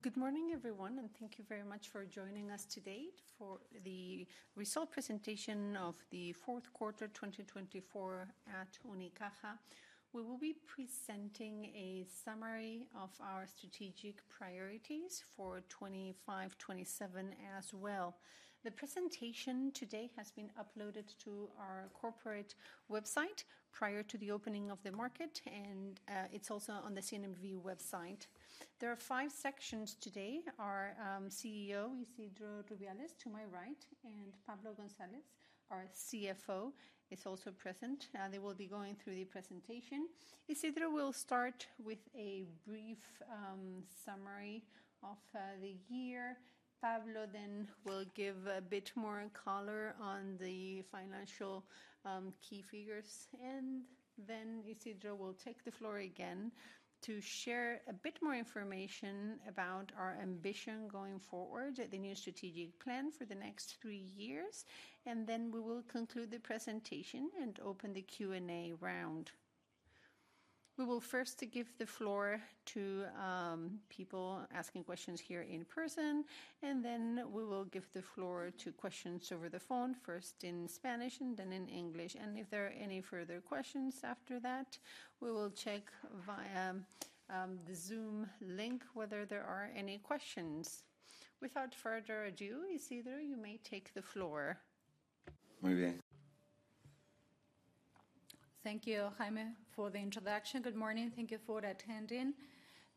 Good morning, everyone, and thank you very much for joining us today for the result presentation of the fourth quarter 2024 at Unicaja. We will be presenting a summary of our strategic priorities for 2025-2027 as well. The presentation today has been uploaded to our corporate website prior to the opening of the market, and it's also on the CNMV website. There are five sections today: our CEO, Isidro Rubiales, to my right, and Pablo González, our CFO, is also present. They will be going through the presentation. Isidro will start with a brief summary of the year. Pablo then will give a bit more color on the financial key figures, and then Isidro will take the floor again to share a bit more information about our ambition going forward, the new strategic plan for the next three years. Then we will conclude the presentation and open the Q&A round. We will first give the floor to people asking questions here in person, and then we will give the floor to questions over the phone, first in Spanish and then in English. If there are any further questions after that, we will check via the Zoom link whether there are any questions. Without further ado, Isidro, you may take the floor. Muy bien. Thank you, Jaime, for the introduction. Good morning. Thank you for attending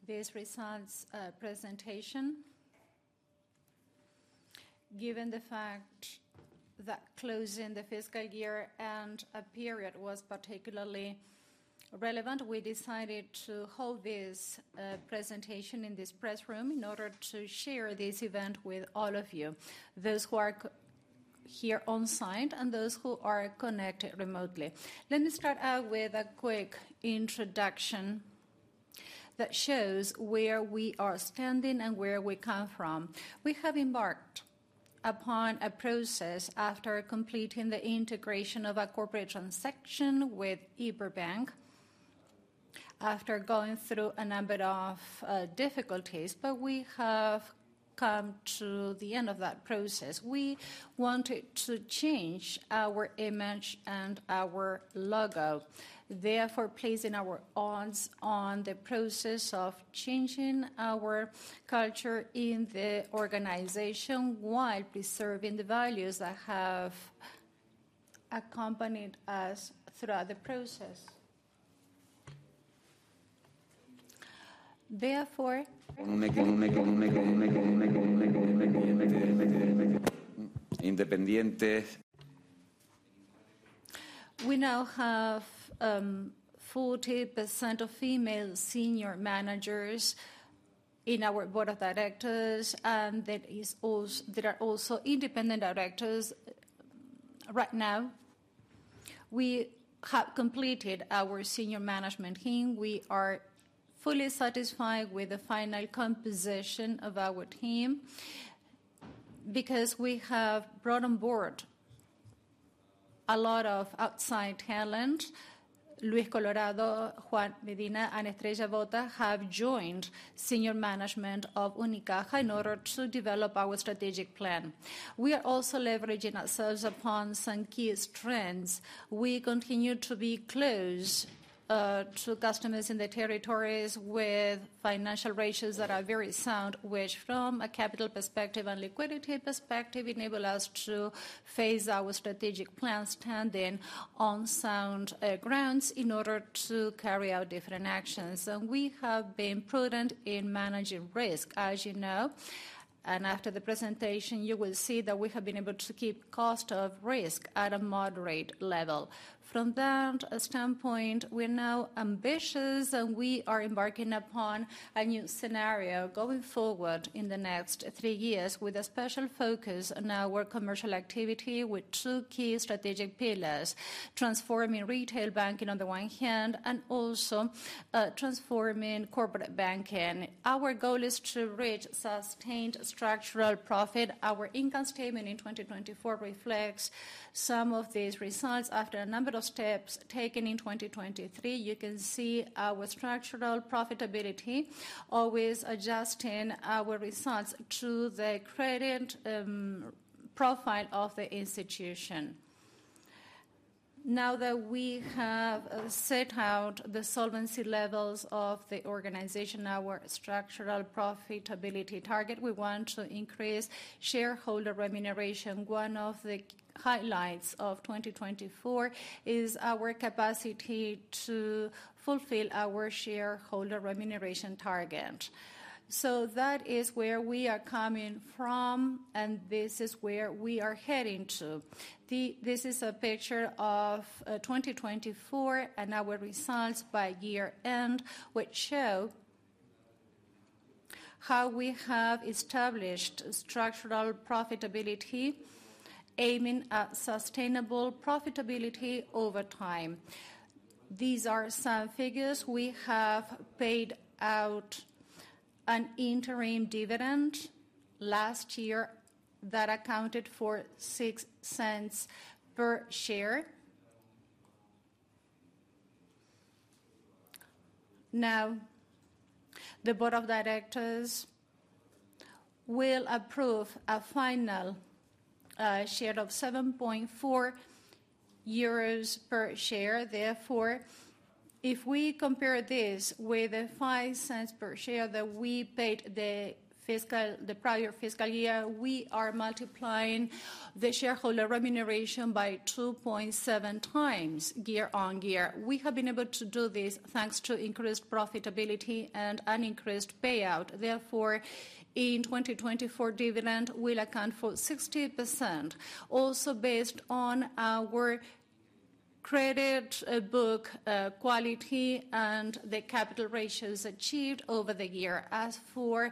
this results presentation. Given the fact that closing the fiscal year and a period was particularly relevant, we decided to hold this presentation in this press room in order to share this event with all of you, those who are here on site and those who are connected remotely. Let me start out with a quick introduction that shows where we are standing and where we come from. We have embarked upon a process after completing the integration of a corporate transaction with Liberbank, after going through a number of difficulties, but we have come to the end of that process. We wanted to change our image and our logo, therefore placing our odds on the process of changing our culture in the organization while preserving the values that have accompanied us throughout the process. Therefore. Independientes. We now have 40% of female senior managers in our board of directors, and there are also independent directors right now. We have completed our senior management team. We are fully satisfied with the final composition of our team because we have brought on board a lot of outside talent. Luis Colorado, Juan Medina, and Estrella Boque have joined senior management of Unicaja in order to develop our strategic plan. We are also leveraging ourselves upon some key trends. We continue to be close to customers in the territories with financial ratios that are very sound, which, from a capital perspective and liquidity perspective, enable us to phase our strategic plans to then on sound grounds in order to carry out different actions, and we have been prudent in managing risk, as you know. After the presentation, you will see that we have been able to keep Cost of Risk at a moderate level. From that standpoint, we're now ambitious, and we are embarking upon a new scenario going forward in the next three years with a special focus on our commercial activity with two key strategic pillars: transforming retail banking on the one hand and also transforming corporate banking. Our goal is to reach sustained structural profit. Our income statement in 2024 reflects some of these results after a number of steps taken in 2023. You can see our structural profitability, always adjusting our results to the credit profile of the institution. Now that we have set out the solvency levels of the organization, our structural profitability target, we want to increase shareholder remuneration. One of the highlights of 2024 is our capacity to fulfill our shareholder remuneration target. That is where we are coming from, and this is where we are heading to. This is a picture of 2024 and our results by year-end, which show how we have established structural profitability, aiming at sustainable profitability over time. These are some figures. We have paid out an interim dividend last year that accounted for 0.06 per share. Now, the board of directors will approve a final dividend of EUR 0.074 per share. Therefore, if we compare this with the 0.05 per share that we paid the prior fiscal year, we are multiplying the shareholder remuneration by 2.7 times year on year. We have been able to do this thanks to increased profitability and an increased payout. Therefore, in 2024, dividend will account for 60%, also based on our credit book quality and the capital ratios achieved over the year. As for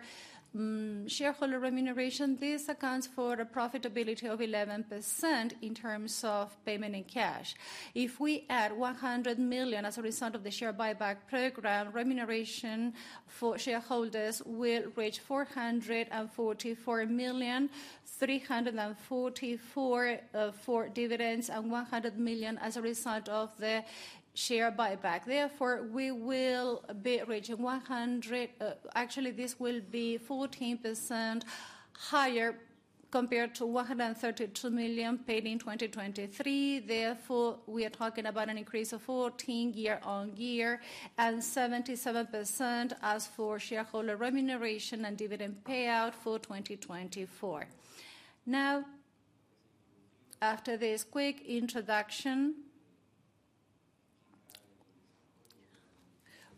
shareholder remuneration, this accounts for a profitability of 11% in terms of payment in cash. If we add 100 million as a result of the share buyback program, remuneration for shareholders will reach 444 million, 344 million for dividends and 100 million as a result of the share buyback. Therefore, we will be reaching 100. Actually, this will be 14% higher compared to 132 million paid in 2023. Therefore, we are talking about an increase of 14% year on year and 77% as for shareholder remuneration and dividend payout for 2024. Now, after this quick introduction,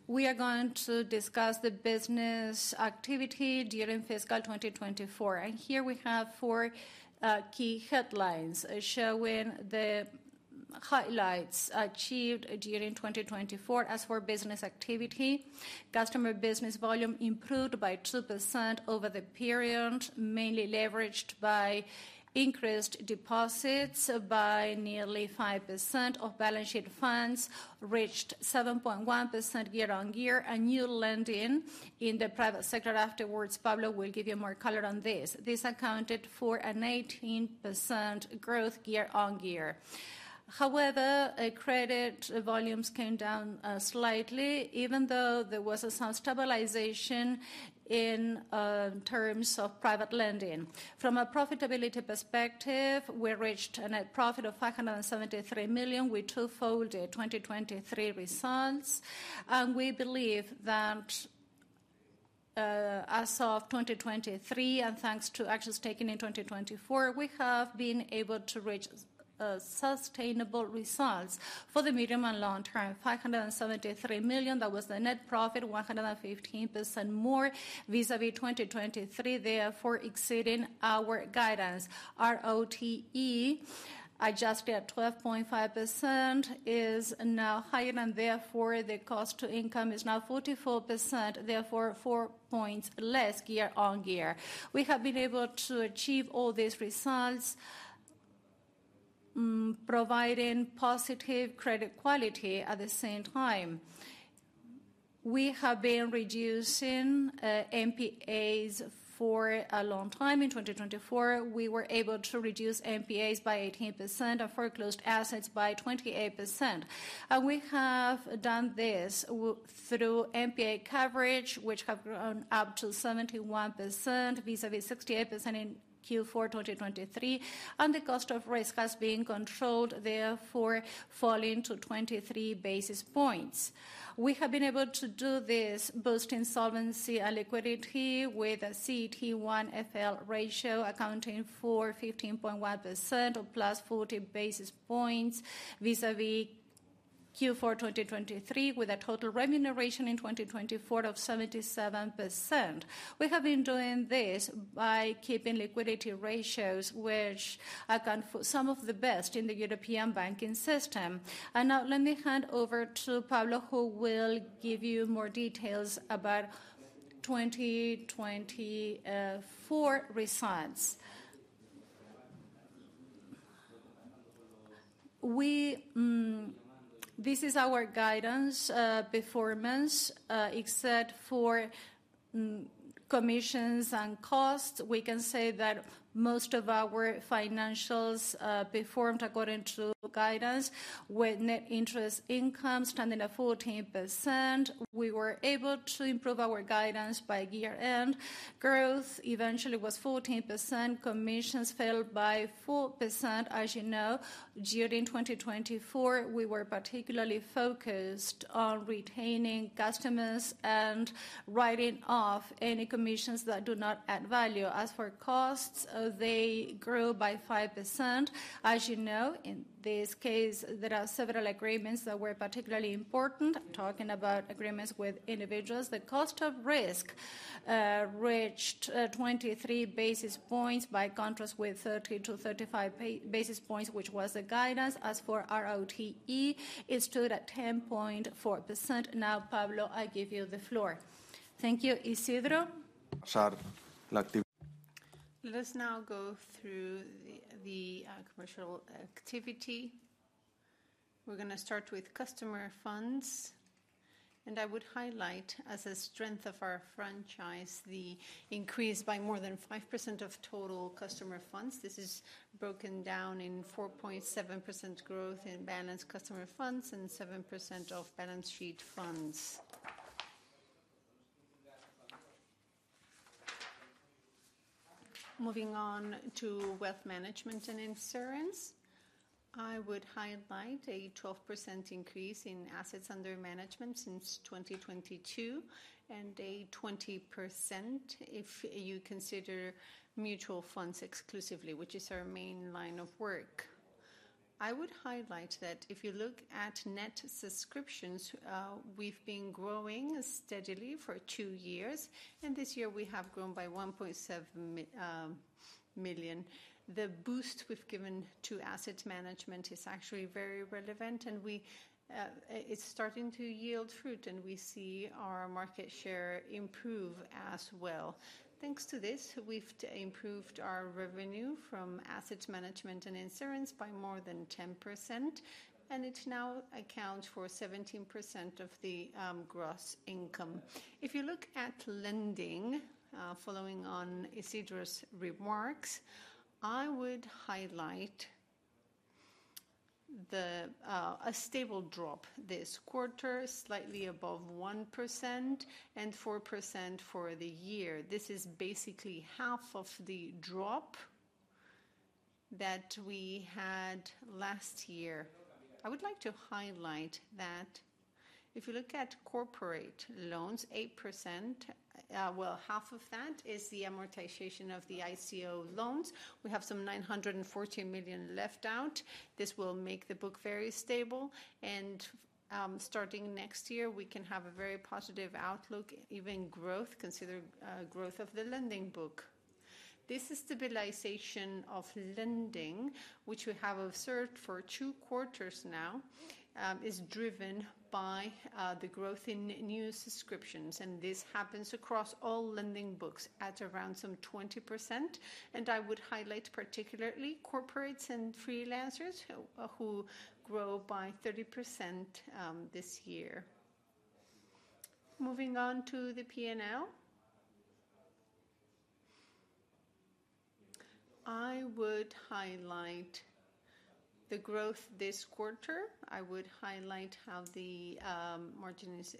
we are going to discuss the business activity during fiscal 2024. Here we have four key headlines showing the highlights achieved during 2024. As for business activity, customer business volume improved by 2% over the period, mainly leveraged by increased deposits by nearly 5% of balance sheet funds, reached 7.1% year on year, and new lending in the private sector. Afterwards, Pablo will give you more color on this. This accounted for an 18% growth year on year. However, credit volumes came down slightly, even though there was some stabilization in terms of private lending. From a profitability perspective, we reached a net profit of 573 million. We twofolded 2023 results, and we believe that as of 2023, and thanks to actions taken in 2024, we have been able to reach sustainable results for the medium and long term. 573 million, that was the net profit, 115% more vis-à-vis 2023, therefore exceeding our guidance. ROTE adjusted at 12.5% is now higher, and therefore the cost to income is now 44%, therefore four points less year on year. We have been able to achieve all these results, providing positive credit quality at the same time. We have been reducing NPAs for a long time. In 2024, we were able to reduce NPAs by 18% and foreclosed assets by 28%. We have done this through NPA coverage, which has grown up to 71% vis-à-vis 68% in Q4 2023, and the cost of risk has been controlled, therefore falling to 23 basis points. We have been able to do this boosting solvency and liquidity with a CET1-FL ratio accounting for 15.1% or plus 40 basis points vis-à-vis Q4 2023, with a total remuneration in 2024 of 77%. We have been doing this by keeping liquidity ratios, which account for some of the best in the European banking system, and now let me hand over to Pablo, who will give you more details about 2024 results. This is our guidance performance. Except for commissions and costs, we can say that most of our financials performed according to guidance with net interest income standing at 14%. We were able to improve our guidance by year-end. Growth eventually was 14%. Commissions fell by 4%, as you know. During 2024, we were particularly focused on retaining customers and writing off any commissions that do not add value. As for costs, they grew by 5%. As you know, in this case, there are several agreements that were particularly important, talking about agreements with individuals. The cost of risk reached 23 basis points by contrast with 30-35 basis points, which was the guidance. As for ROTE, it stood at 10.4%. Now, Pablo, I give you the floor. Thank you, Isidro. Pasar la. Let us now go through the commercial activity. We're going to start with customer funds. I would highlight, as a strength of our franchise, the increase by more than 5% of total customer funds. This is broken down in 4.7% growth in balanced customer funds and 7% of balance sheet funds. Moving on to wealth management and insurance, I would highlight a 12% increase in assets under management since 2022 and a 20% if you consider mutual funds exclusively, which is our main line of work. I would highlight that if you look at net subscriptions, we've been growing steadily for two years, and this year we have grown by 1.7 million. The boost we've given to asset management is actually very relevant, and it's starting to yield fruit, and we see our market share improve as well. Thanks to this, we've improved our revenue from asset management and insurance by more than 10%, and it now accounts for 17% of the gross income. If you look at lending, following on Isidro's remarks, I would highlight a stable drop this quarter, slightly above 1% and 4% for the year. This is basically half of the drop that we had last year. I would like to highlight that if you look at corporate loans, 8%, well, half of that is the amortization of the ICO loans. We have some 940 million left out. This will make the book very stable, and starting next year, we can have a very positive outlook, even growth, consider growth of the lending book. This is stabilization of lending, which we have observed for two quarters now, is driven by the growth in new subscriptions. This happens across all lending books at around some 20%. I would highlight particularly corporates and freelancers who grow by 30% this year. Moving on to the P&L. I would highlight the growth this quarter. I would highlight how the margin is,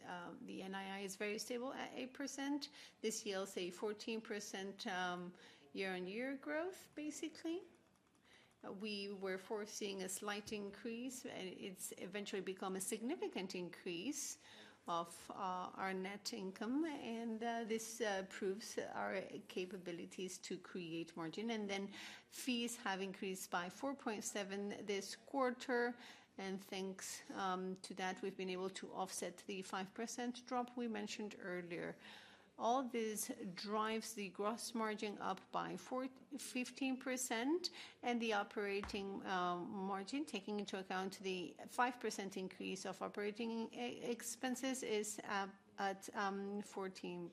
the NII is very stable at 8%. This yields a 14% year-on-year growth, basically. We were foreseeing a slight increase, and it's eventually become a significant increase of our net income. This proves our capabilities to create margin. Then fees have increased by 4.7% this quarter. Thanks to that, we've been able to offset the 5% drop we mentioned earlier. All this drives the gross margin up by 15%. The operating margin, taking into account the 5% increase of operating expenses, is at 14%.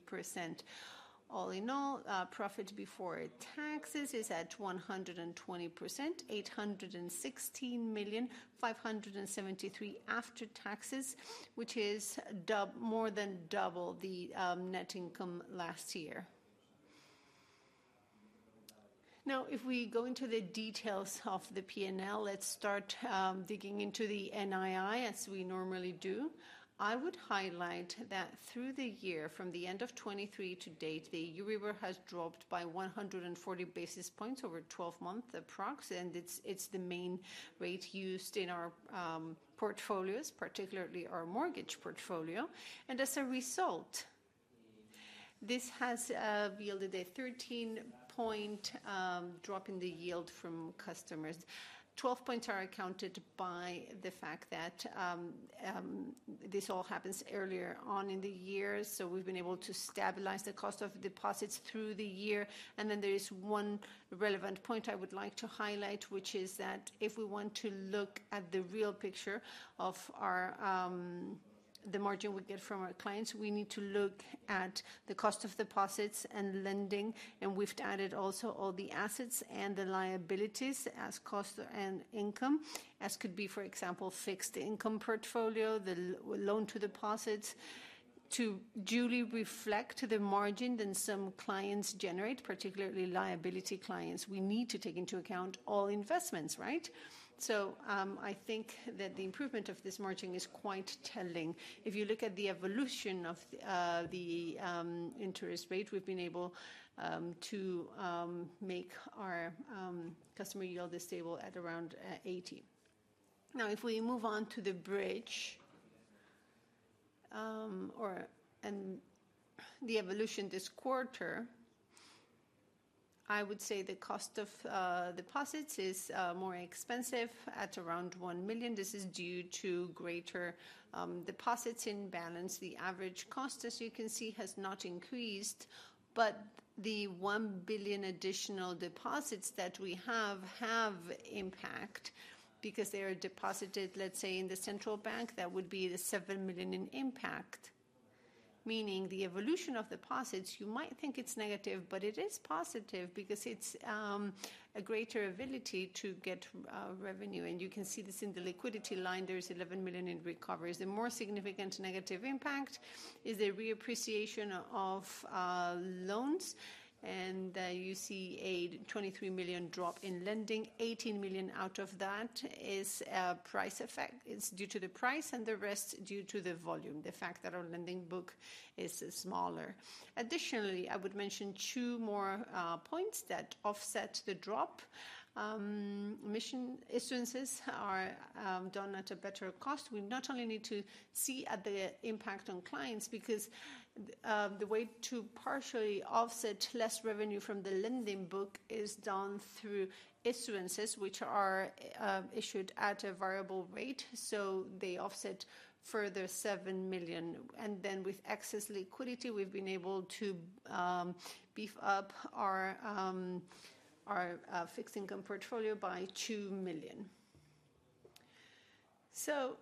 All in all, profit before taxes is at 120%, 816,573 after taxes, which is more than double the net income last year. Now, if we go into the details of the P&L, let's start digging into the NII as we normally do. I would highlight that through the year, from the end of 2023 to date, the Euribor has dropped by 140 basis points over 12 months approximately, and it's the main rate used in our portfolios, particularly our mortgage portfolio, and as a result, this has yielded a 13-point drop in the yield from customers. 12 points are accounted by the fact that this all happens earlier on in the year, so we've been able to stabilize the cost of deposits through the year. There is one relevant point I would like to highlight, which is that if we want to look at the real picture of the margin we get from our clients, we need to look at the cost of deposits and lending. We've added also all the assets and the liabilities as cost and income, as could be, for example, fixed income portfolio, the loan to deposits, to duly reflect the margin that some clients generate, particularly liability clients. We need to take into account all investments, right? I think that the improvement of this margin is quite telling. If you look at the evolution of the interest rate, we've been able to make our customer yield stable at around 80. Now, if we move on to the bridge or the evolution this quarter, I would say the cost of deposits is more expensive at around one million. This is due to greater deposits in balance. The average cost, as you can see, has not increased, but the one billion additional deposits that we have have impact because they are deposited, let's say, in the central bank. That would be the seven million in impact, meaning the evolution of deposits. You might think it's negative, but it is positive because it's a greater ability to get revenue, and you can see this in the liquidity line. There's 11 million in recoveries. The more significant negative impact is the repricing of loans, and you see a 23 million drop in lending. 18 million out of that is price effect. It's due to the price, and the rest due to the volume, the fact that our lending book is smaller. Additionally, I would mention two more points that offset the drop. MREL issuances are done at a better cost. We not only need to see the impact on clients because the way to partially offset less revenue from the lending book is done through issuances, which are issued at a variable rate, so they offset further 7 million, and then with excess liquidity, we've been able to beef up our fixed income portfolio by 2 million, so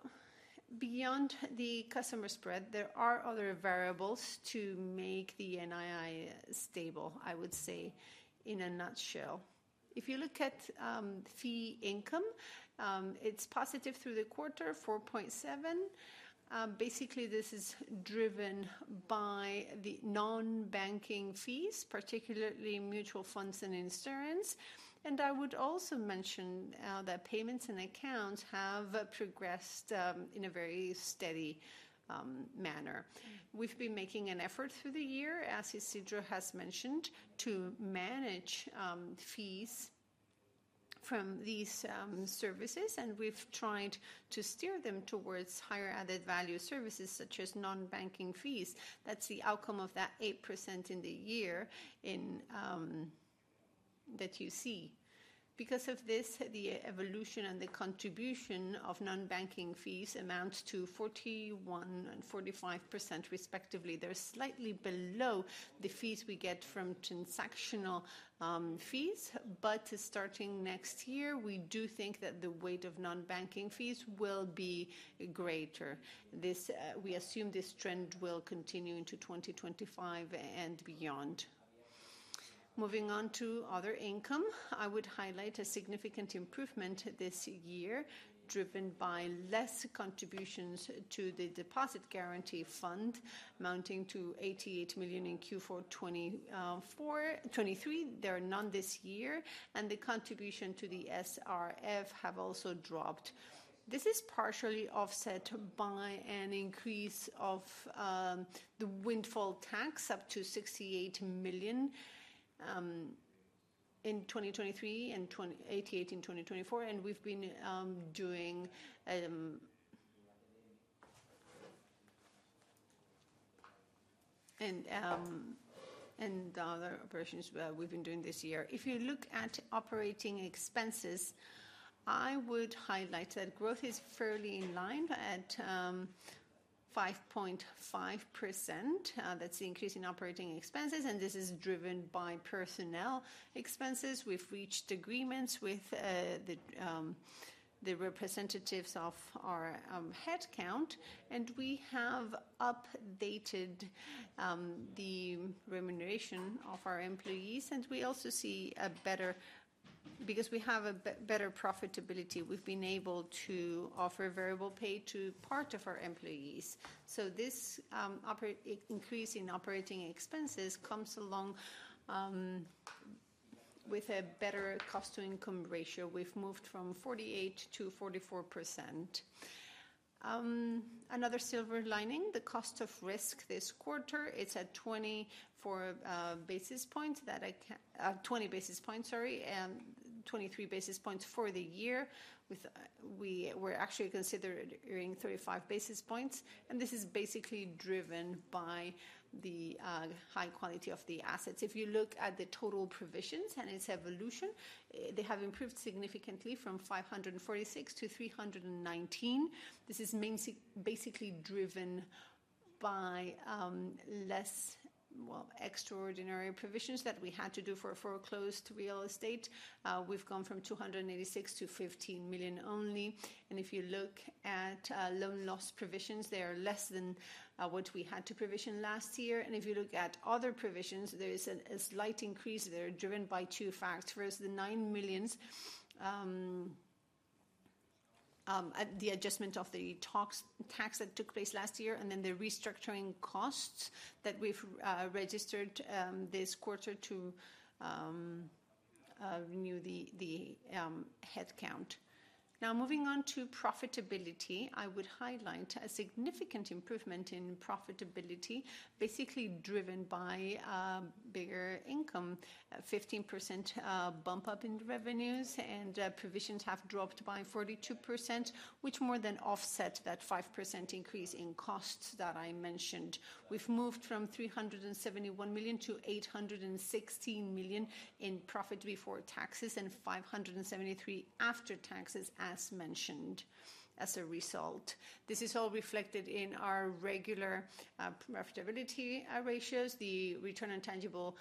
beyond the customer spread, there are other variables to make the NII stable, I would say, in a nutshell. If you look at fee income, it's positive through the quarter, 4.7. Basically, this is driven by the non-banking fees, particularly mutual funds and insurance. I would also mention that payments and accounts have progressed in a very steady manner. We've been making an effort through the year, as Isidro has mentioned, to manage fees from these services. We've tried to steer them towards higher added value services such as non-banking fees. That's the outcome of that 8% in the year that you see. This, the evolution and the contribution of non-banking fees amounts to 41% and 45%, respectively. They're slightly below the fees we get from transactional fees. Starting next year, we do think that the weight of non-banking fees will be greater. We assume this trend will continue into 2025 and beyond. Moving on to other income, I would highlight a significant improvement this year, driven by less contributions to the deposit guarantee fund, amounting to 88 million in Q4 2023. They're none this year. The contribution to the SRF have also dropped. This is partially offset by an increase of the windfall tax up to 68 million in 2023 and 88 million in 2024. We've been doing other operations this year. If you look at operating expenses, I would highlight that growth is fairly in line at 5.5%. That's the increase in operating expenses. This is driven by personnel expenses. We've reached agreements with the representatives of our headcount. We have updated the remuneration of our employees. We also see a better because we have a better profitability. We've been able to offer variable pay to part of our employees. This increase in operating expenses comes along with a better cost-to-income ratio. We've moved from 48%-44%. Another silver lining, the cost of risk this quarter. It's at 20 basis points, sorry, 23 basis points for the year. We're actually considering 35 basis points. This is basically driven by the high quality of the assets. If you look at the total provisions and its evolution, they have improved significantly from 546 million to 319 million. This is basically driven by less, well, extraordinary provisions that we had to do for a foreclosed real estate. We've gone from 286 million to 15 million only. If you look at loan loss provisions, they are less than what we had to provision last year. If you look at other provisions, there is a slight increase. They're driven by two factors. There's the 9 million, the adjustment of the tax that took place last year, and then the restructuring costs that we've registered this quarter to reduce the headcount. Now, moving on to profitability, I would highlight a significant improvement in profitability, basically driven by bigger income. 15% bump up in revenues and provisions have dropped by 42%, which more than offsets that 5% increase in costs that I mentioned. We've moved from 371 million to 816 million in profit before taxes and 573 million after taxes, as mentioned, as a result. This is all reflected in our regular profitability ratios. The return on tangible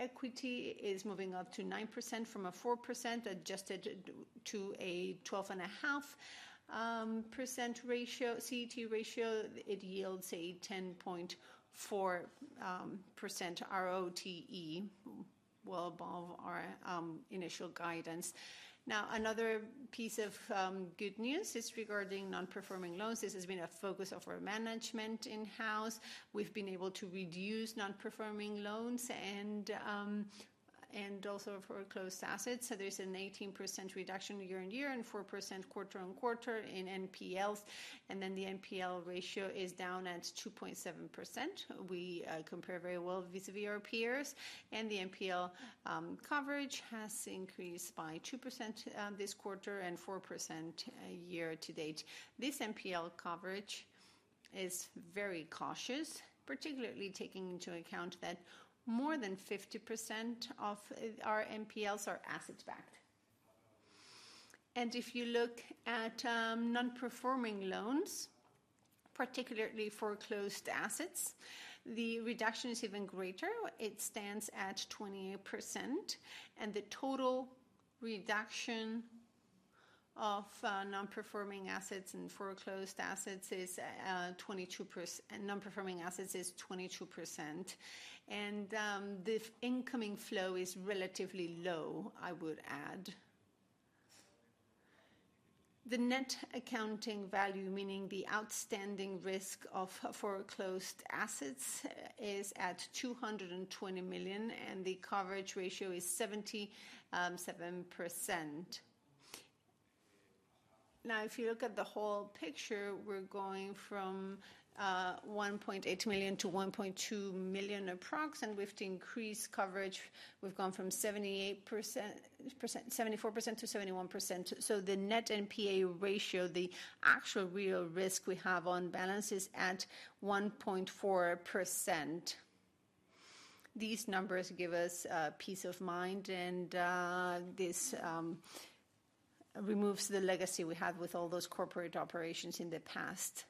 equity is moving up to 9% from a 4% adjusted to a 12.5% CET1 ratio. It yields a 10.4% ROTE, well above our initial guidance. Now, another piece of good news is regarding non-performing loans. This has been a focus of our management in-house. We've been able to reduce non-performing loans and also foreclosed assets. So there's an 18% reduction year on year and 4% quarter on quarter in NPLs. Then the NPL ratio is down at 2.7%. We compare very well vis-à-vis our peers. The NPL coverage has increased by 2% this quarter and 4% year to date. This NPL coverage is very cautious, particularly taking into account that more than 50% of our NPLs are asset-backed. If you look at non-performing loans, particularly foreclosed assets, the reduction is even greater. It stands at 28%. And the total reduction of non-performing assets and foreclosed assets is 22%. Non-performing assets is 22%. The incoming flow is relatively low, I would add. The net accounting value, meaning the outstanding risk of foreclosed assets, is at 220 million. The coverage ratio is 77%. Now, if you look at the whole picture, we're going from 1.8 million to 1.2 million approximately. With increased coverage, we've gone from 74% to 71%. The net NPA ratio, the actual real risk we have on balance, is at 1.4%. These numbers give us peace of mind. This removes the legacy we had with all those corporate operations in the past.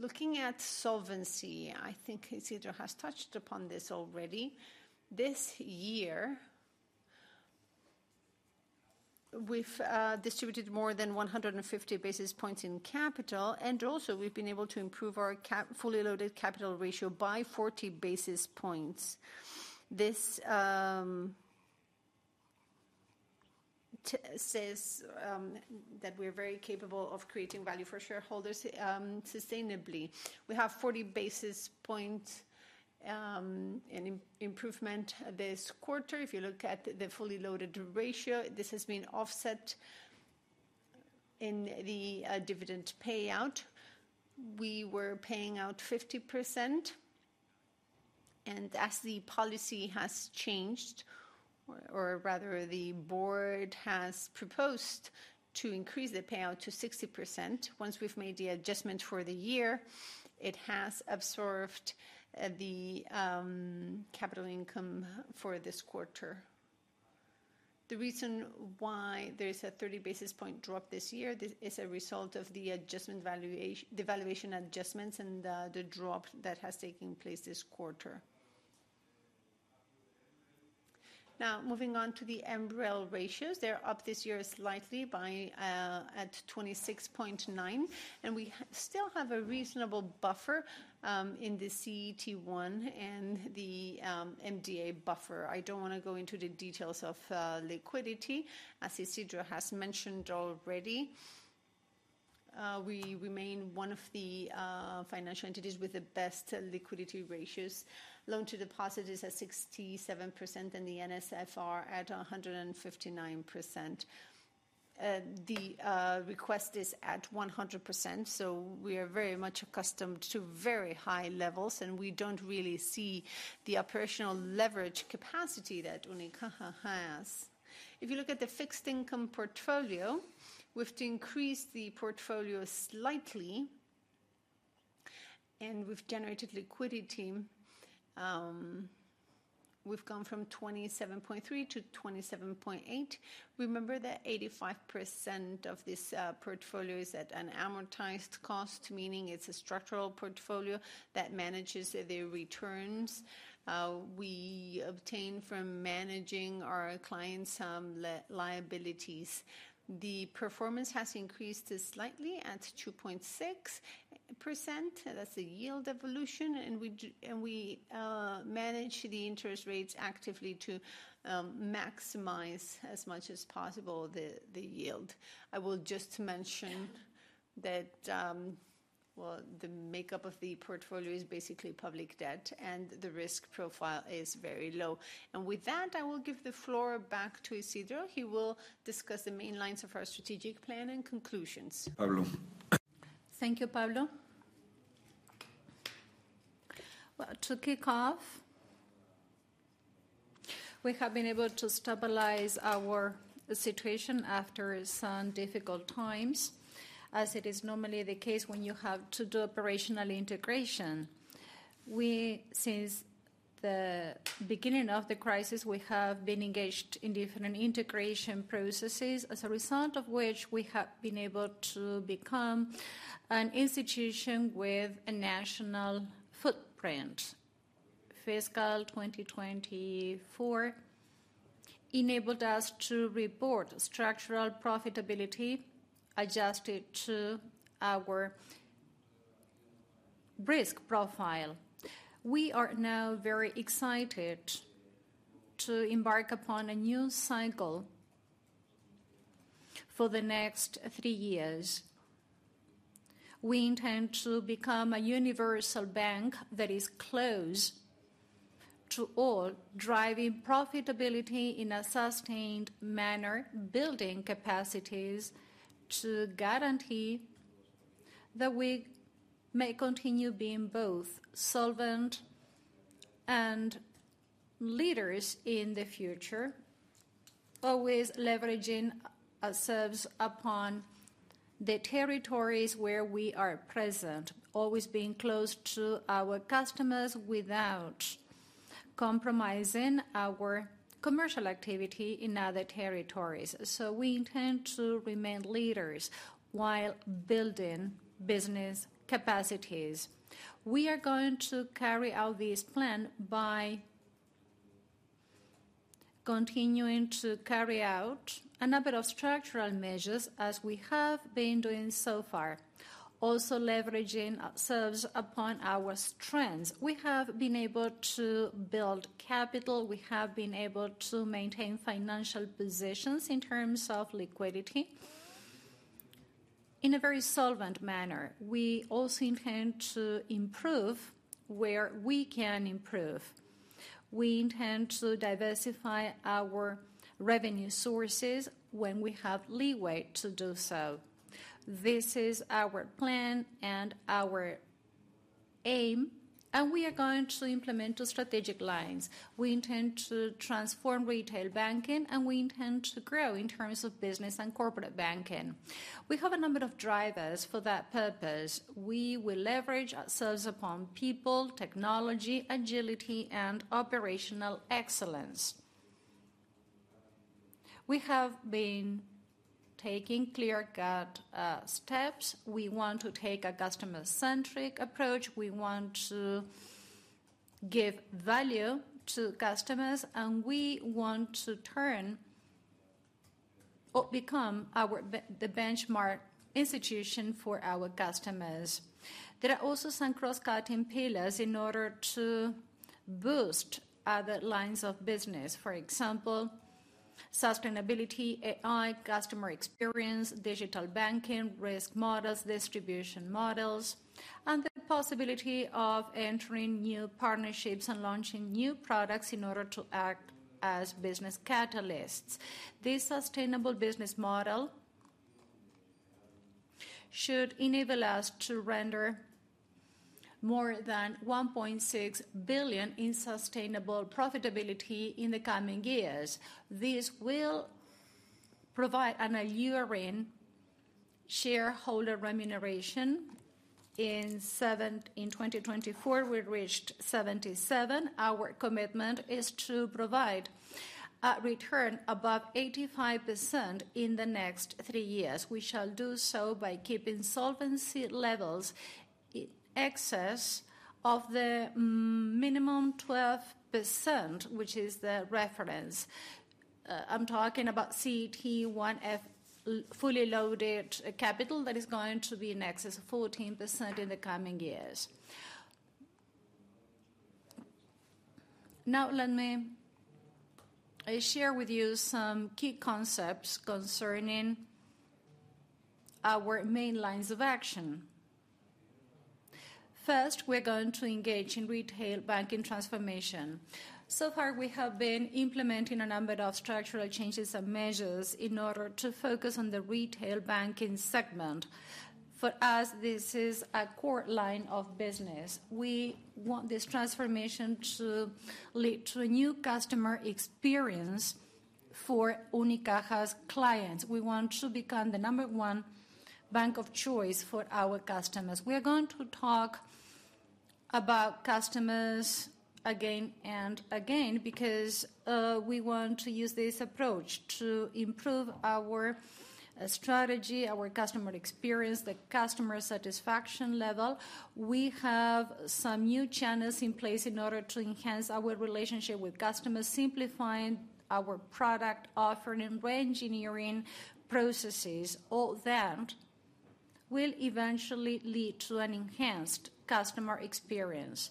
Looking at solvency, I think Isidro has touched upon this already. This year, we've distributed more than 150 basis points in capital. Also, we've been able to improve our fully loaded capital ratio by 40 basis points. This says that we're very capable of creating value for shareholders sustainably. We have 40 basis points in improvement this quarter. If you look at the fully loaded ratio, this has been offset in the dividend payout. We were paying out 50%. As the policy has changed, or rather the board has proposed to increase the payout to 60%, once we've made the adjustment for the year, it has absorbed the capital income for this quarter. The reason why there is a 30 basis point drop this year is a result of the valuation adjustments and the drop that has taken place this quarter. Now, moving on to the MREL ratios. They're up this year slightly to 26.9%. We still have a reasonable buffer in the CET1 and the MDA buffer. I don't want to go into the details of liquidity, as Isidro has mentioned already. We remain one of the financial entities with the best liquidity ratios. Loan to deposit is at 67% and the NSFR at 159%. The LCR is at 100%. We are very much accustomed to very high levels. We don't really see the operational leverage capacity that Unicaja has. If you look at the fixed income portfolio, we've increased the portfolio slightly. We've generated liquidity. We've gone from 27.3 to 27.8. Remember that 85% of this portfolio is at an amortized cost, meaning it's a structural portfolio that manages the returns we obtain from managing our clients' liabilities. The performance has increased slightly at 2.6%. That's the yield evolution. We manage the interest rates actively to maximize as much as possible the yield. I will just mention that, well, the makeup of the portfolio is basically public debt. The risk profile is very low. With that, I will give the floor back to Isidro. He will discuss the main lines of our strategic plan and conclusions. Pablo. Thank you, Pablo. To kick off, we have been able to stabilize our situation after some difficult times, as it is normally the case when you have to do operational integration. Since the beginning of the crisis, we have been engaged in different integration processes, as a result of which we have been able to become an institution with a national footprint. Fiscal 2024 enabled us to report structural profitability adjusted to our risk profile. We are now very excited to embark upon a new cycle for the next three years. We intend to become a universal bank that is close to all, driving profitability in a sustained manner, building capacities to guarantee that we may continue being both solvent and leaders in the future, always leveraging ourselves upon the territories where we are present, always being close to our customers without compromising our commercial activity in other territories. We intend to remain leaders while building business capacities. We are going to carry out this plan by continuing to carry out a number of structural measures, as we have been doing so far, also leveraging ourselves upon our strengths. We have been able to build capital. We have been able to maintain financial positions in terms of liquidity in a very solvent manner. We also intend to improve where we can improve. We intend to diversify our revenue sources when we have leeway to do so. This is our plan and our aim. We are going to implement two strategic lines. We intend to transform retail banking, and we intend to grow in terms of business and corporate banking. We have a number of drivers for that purpose. We will leverage ourselves upon people, technology, agility, and operational excellence. We have been taking clear-cut steps. We want to take a customer-centric approach. We want to give value to customers. We want to turn or become the benchmark institution for our customers. There are also some cross-cutting pillars in order to boost other lines of business. For example, sustainability, AI, customer experience, digital banking, risk models, distribution models, and the possibility of entering new partnerships and launching new products in order to act as business catalysts. This sustainable business model should enable us to render more than 1.6 billion in sustainable profitability in the coming years. This will provide a year-end shareholder remuneration. In 2024, we reached 77%. Our commitment is to provide a return above 85% in the next three years. We shall do so by keeping solvency levels in excess of the minimum 12%, which is the reference. I'm talking about CET1 fully loaded capital that is going to be in excess of 14% in the coming years. Now, let me share with you some key concepts concerning our main lines of action. First, we're going to engage in retail banking transformation. So far, we have been implementing a number of structural changes and measures in order to focus on the retail banking segment. For us, this is a core line of business. We want this transformation to lead to a new customer experience for Unicaja's clients. We want to become the number one bank of choice for our customers. We are going to talk about customers again and again because we want to use this approach to improve our strategy, our customer experience, the customer satisfaction level. We have some new channels in place in order to enhance our relationship with customers, simplifying our product offering and re-engineering processes. All that will eventually lead to an enhanced customer experience.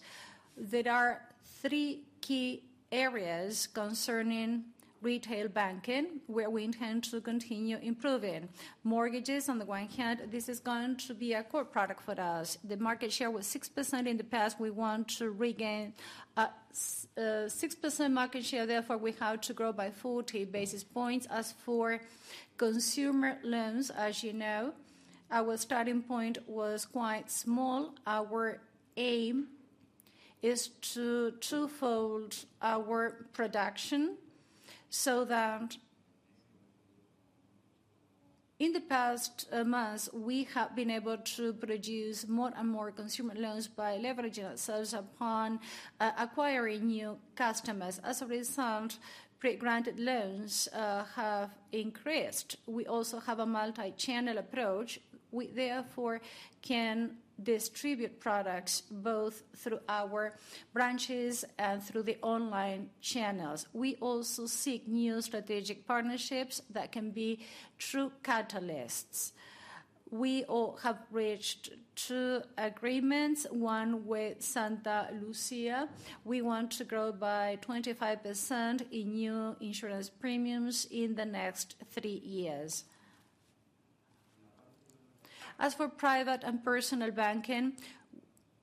There are three key areas concerning retail banking where we intend to continue improving. Mortgages, on the one hand, this is going to be a core product for us. The market share was 6% in the past. We want to regain 6% market share. Therefore, we have to grow by 40 basis points. As for consumer loans, as you know, our starting point was quite small. Our aim is to twofold our production so that in the past months, we have been able to produce more and more consumer loans by leveraging ourselves upon acquiring new customers. As a result, pre-granted loans have increased. We also have a multi-channel approach. We, therefore, can distribute products both through our branches and through the online channels. We also seek new strategic partnerships that can be true catalysts. We have reached two agreements, one with Santa Lucía. We want to grow by 25% in new insurance premiums in the next three years. As for private and personal banking,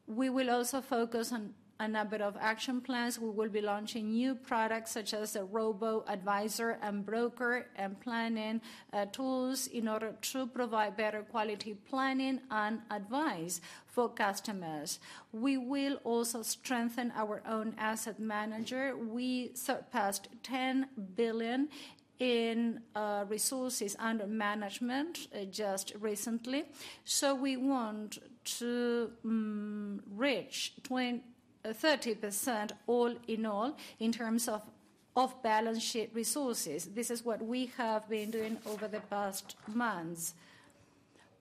we will also focus on a number of action plans. We will be launching new products such as a robo-advisor and broker and planning tools in order to provide better quality planning and advice for customers. We will also strengthen our own asset manager. We surpassed 10 billion in resources under management just recently, so we want to reach 30% all in all in terms of balance sheet resources. This is what we have been doing over the past months.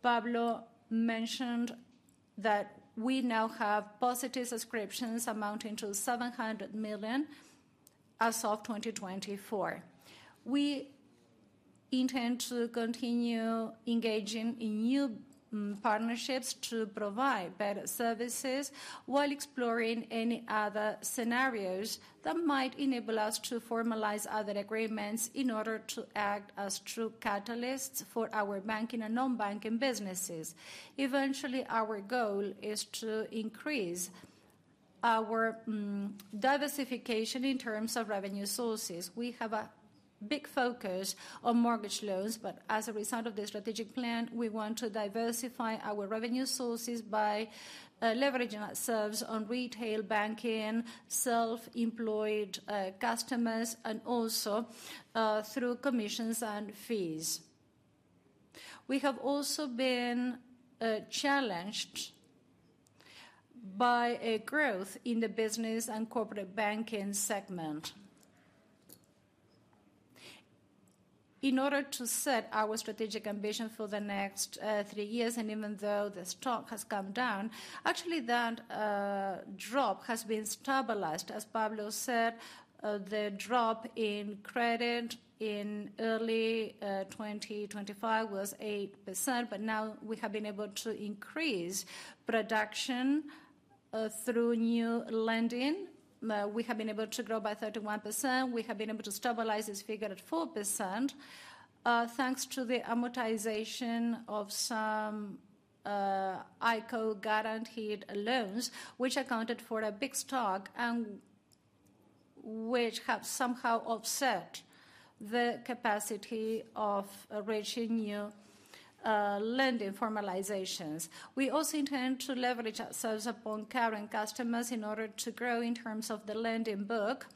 Pablo mentioned that we now have positive subscriptions amounting to 700 million as of 2024. We intend to continue engaging in new partnerships to provide better services while exploring any other scenarios that might enable us to formalize other agreements in order to act as true catalysts for our banking and non-banking businesses. Eventually, our goal is to increase our diversification in terms of revenue sources. We have a big focus on mortgage loans. As a result of the strategic plan, we want to diversify our revenue sources by leveraging ourselves on retail banking, self-employed customers, and also through commissions and fees. We have also been challenged by a growth in the business and corporate banking segment in order to set our strategic ambition for the next three years. And even though the stock has come down, actually, that drop has been stabilized. As Pablo said, the drop in credit in early 2025 was 8%. Now we have been able to increase production through new lending. We have been able to grow by 31%. We have been able to stabilize this figure at 4% thanks to the amortization of some ICO-guaranteed loans, which accounted for a big stock and which have somehow offset the capacity of reaching new lending formalizations. We also intend to leverage ourselves upon current customers in order to grow in terms of the lending book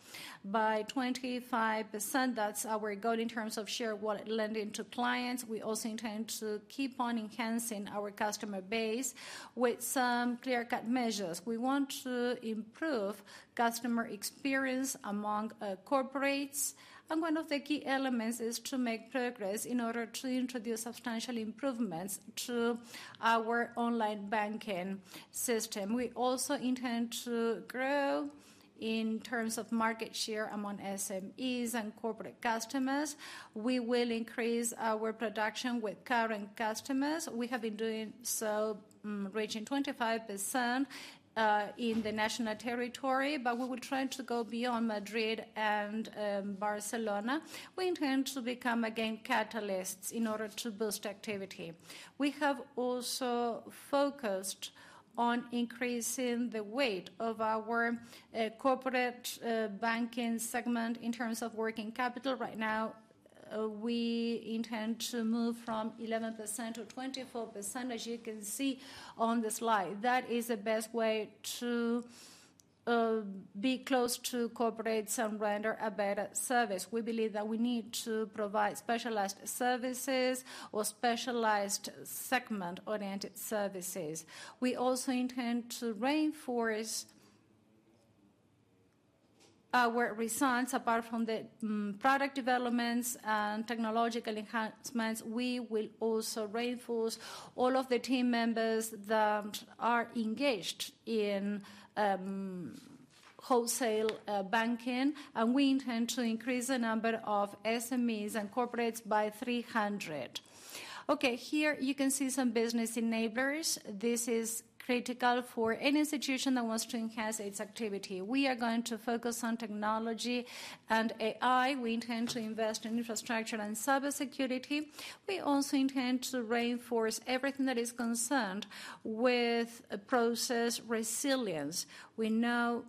by 25%. That's our goal in terms of shareable lending to clients. We also intend to keep on enhancing our customer base with some clear-cut measures. We want to improve customer experience among corporates. One of the key elements is to make progress in order to introduce substantial improvements to our online banking system. We also intend to grow in terms of market share among SMEs and corporate customers. We will increase our production with current customers. We have been doing so, reaching 25% in the national territory, but we will try to go beyond Madrid and Barcelona. We intend to become again catalysts in order to boost activity. We have also focused on increasing the weight of our corporate banking segment in terms of working capital. Right now, we intend to move from 11%-24%, as you can see on the slide. That is the best way to be close to corporates and render a better service. We believe that we need to provide specialized services or specialized segment-oriented services. We also intend to reinforce our results. Apart from the product developments and technological enhancements, we will also reinforce all of the team members that are engaged in wholesale banking, and we intend to increase the number of SMEs and corporates by 300. Okay, here you can see some business enablers. This is critical for any institution that wants to enhance its activity. We are going to focus on technology and AI. We intend to invest in infrastructure and cybersecurity. We also intend to reinforce everything that is concerned with process resilience. We know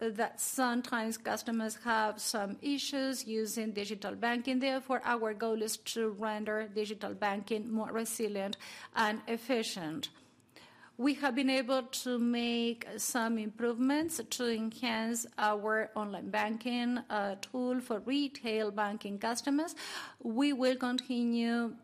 that sometimes customers have some issues using digital banking. Therefore, our goal is to render digital banking more resilient and efficient. We have been able to make some improvements to enhance our online banking tool for retail banking customers. We will continue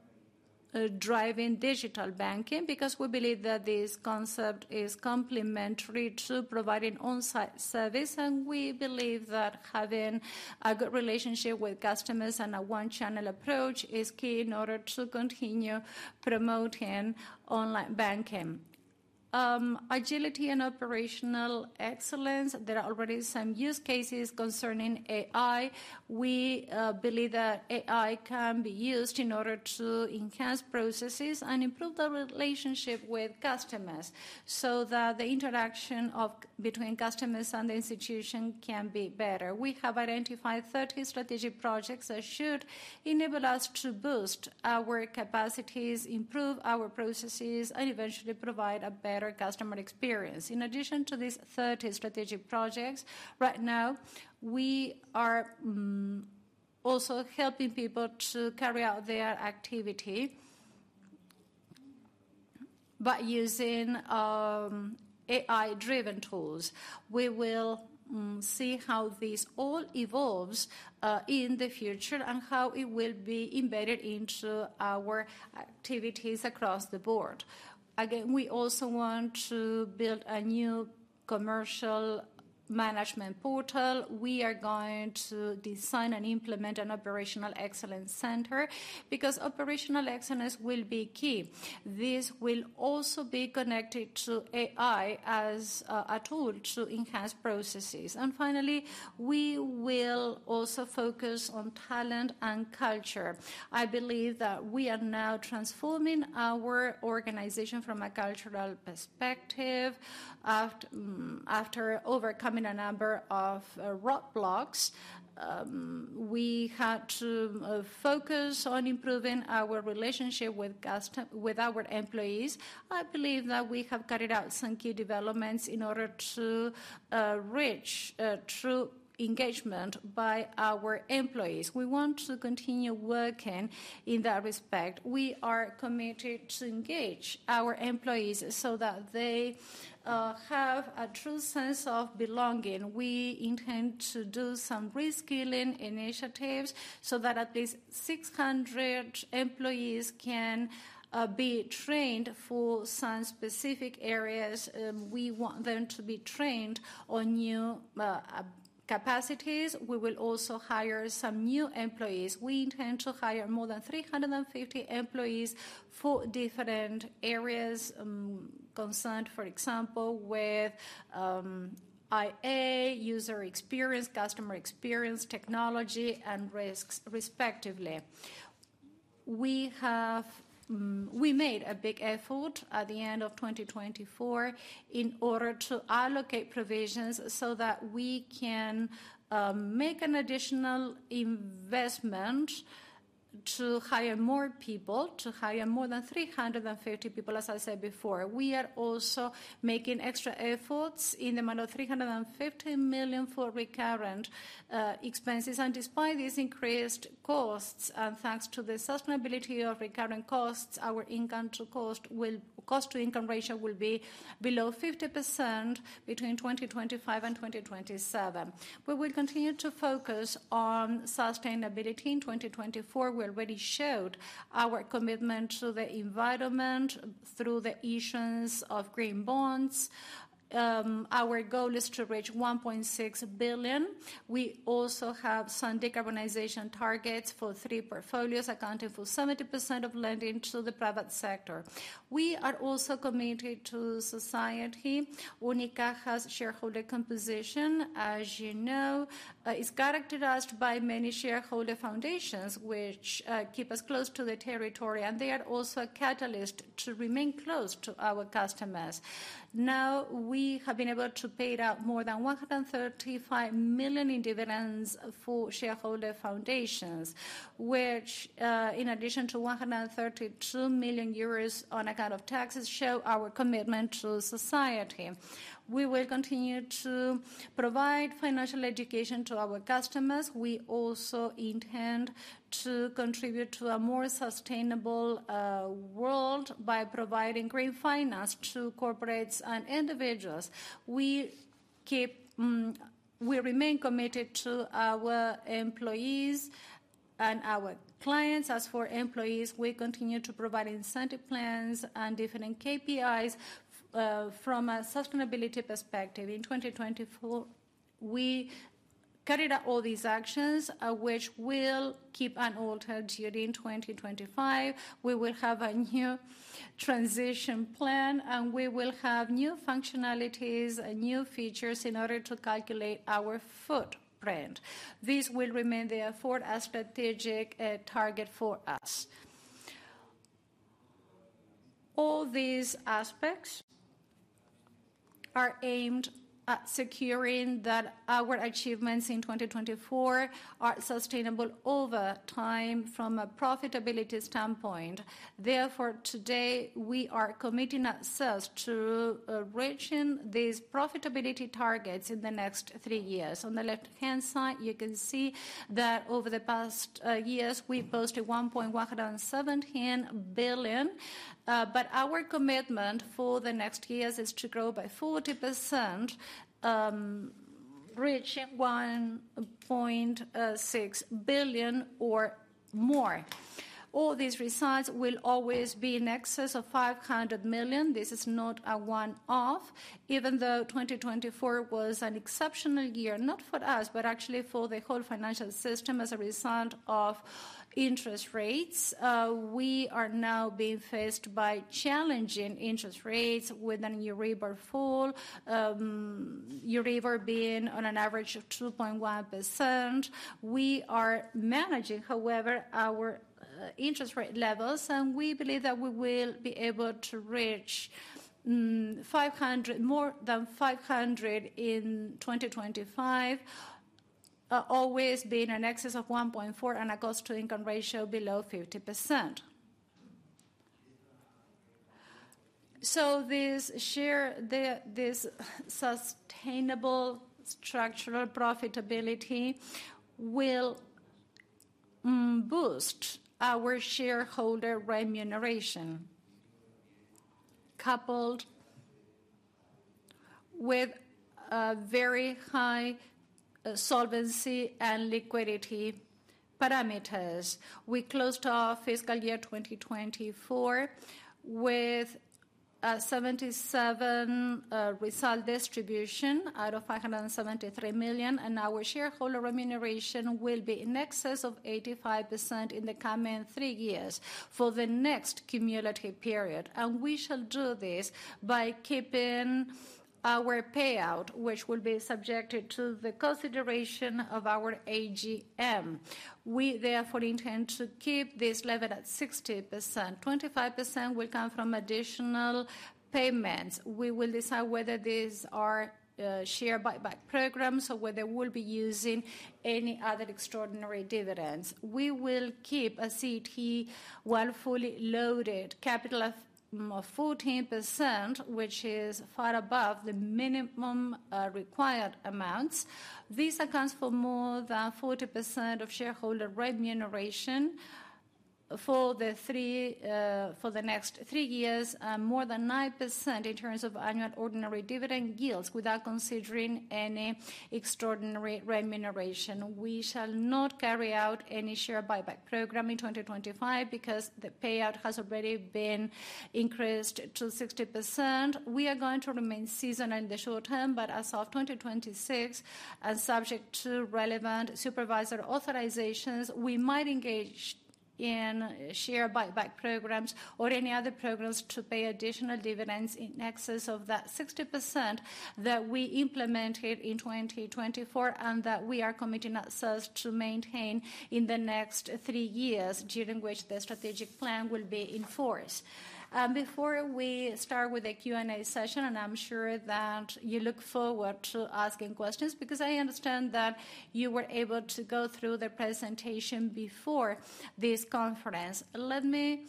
driving digital banking because we believe that this concept is complementary to providing on-site service. We believe that having a good relationship with customers and a one-channel approach is key in order to continue promoting online banking. Agility and operational excellence. There are already some use cases concerning AI. We believe that AI can be used in order to enhance processes and improve the relationship with customers so that the interaction between customers and the institution can be better. We have identified 30 strategic projects that should enable us to boost our capacities, improve our processes, and eventually provide a better customer experience. In addition to these 30 strategic projects, right now, we are also helping people to carry out their activity by using AI-driven tools. We will see how this all evolves in the future and how it will be embedded into our activities across the board. Again, we also want to build a new commercial management portal. We are going to design and implement an operational excellence center because operational excellence will be key. This will also be connected to AI as a tool to enhance processes. Finally, we will also focus on talent and culture. I believe that we are now transforming our organization from a cultural perspective. After overcoming a number of roadblocks, we had to focus on improving our relationship with our employees. I believe that we have carried out some key developments in order to reach true engagement by our employees. We want to continue working in that respect. We are committed to engage our employees so that they have a true sense of belonging. We intend to do some reskilling initiatives so that at least 600 employees can be trained for some specific areas. We want them to be trained on new capacities. We will also hire some new employees. We intend to hire more than 350 employees for different areas concerned, for example, with AI, user experience, customer experience, technology, and risks, respectively. We made a big effort at the end of 2024 in order to allocate provisions so that we can make an additional investment to hire more people, to hire more than 350 people, as I said before. We are also making extra efforts in the amount of 350 million for recurrent expenses. Despite these increased costs and thanks to the sustainability of recurrent costs, our income-to-cost ratio will be below 50% between 2025 and 2027. We will continue to focus on sustainability in 2024. We already showed our commitment to the environment through the issuance of green bonds. Our goal is to reach 1.6 billion. We also have some decarbonization targets for three portfolios, accounting for 70% of lending to the private sector. We are also committed to society. Unicaja has shareholder composition. As you know, it's characterized by many shareholder foundations, which keep us close to the territory. They are also a catalyst to remain close to our customers. Now, we have been able to pay out more than 135 million in dividends for shareholder foundations, which, in addition to 132 million euros on account of taxes, show our commitment to society. We will continue to provide financial education to our customers. We also intend to contribute to a more sustainable world by providing green finance to corporates and individuals. We remain committed to our employees and our clients. As for employees, we continue to provide incentive plans and different KPIs from a sustainability perspective. In 2024, we carried out all these actions, which will keep unaltered during 2025. We will have a new transition plan, and we will have new functionalities and new features in order to calculate our footprint. This will remain, therefore, a strategic target for us. All these aspects are aimed at securing that our achievements in 2024 are sustainable over time from a profitability standpoint. Therefore, today, we are committing ourselves to reaching these profitability targets in the next three years. On the left-hand side, you can see that over the past years, we posted 1.117 billion. Our commitment for the next years is to grow by 40%, reaching 1.6 billion or more. All these results will always be in excess of 500 million. This is not a one-off. Even though 2024 was an exceptional year, not for us, but actually for the whole financial system as a result of interest rates, we are now being faced by challenging interest rates with a new rate fall, Euribor being on an average of 2.1%. We are managing, however, our interest rate levels, and we believe that we will be able to reach more than 500 in 2025, always being in excess of 1.4 and a cost-to-income ratio below 50%. This sustainable structural profitability will boost our shareholder remuneration, coupled with very high solvency and liquidity parameters. We closed our fiscal year 2024 with a 77% result distribution out of 573 million EUR. Our shareholder remuneration will be in excess of 85% in the coming three years for the next cumulative period. We shall do this by keeping our payout, which will be subjected to the consideration of our AGM. We, therefore, intend to keep this level at 60%. 25% will come from additional payments. We will decide whether these are share buyback programs or whether we'll be using any other extraordinary dividends. We will keep a CET1 fully loaded capital of 14%, which is far above the minimum required amounts. This accounts for more than 40% of shareholder remuneration for the next three years and more than 9% in terms of annual ordinary dividend yields without considering any extraordinary remuneration. We shall not carry out any share buyback program in 2025 because the payout has already been increased to 60%. We are going to remain at 60% in the short term, but as of 2026, and subject to relevant supervisor authorizations, we might engage in share buyback programs or any other programs to pay additional dividends in excess of that 60% that we implemented in 2024 and that we are committing ourselves to maintain in the next three years, during which the strategic plan will be in force. Before we start with the Q&A session, and I'm sure that you look forward to asking questions because I understand that you were able to go through the presentation before this conference. Let me,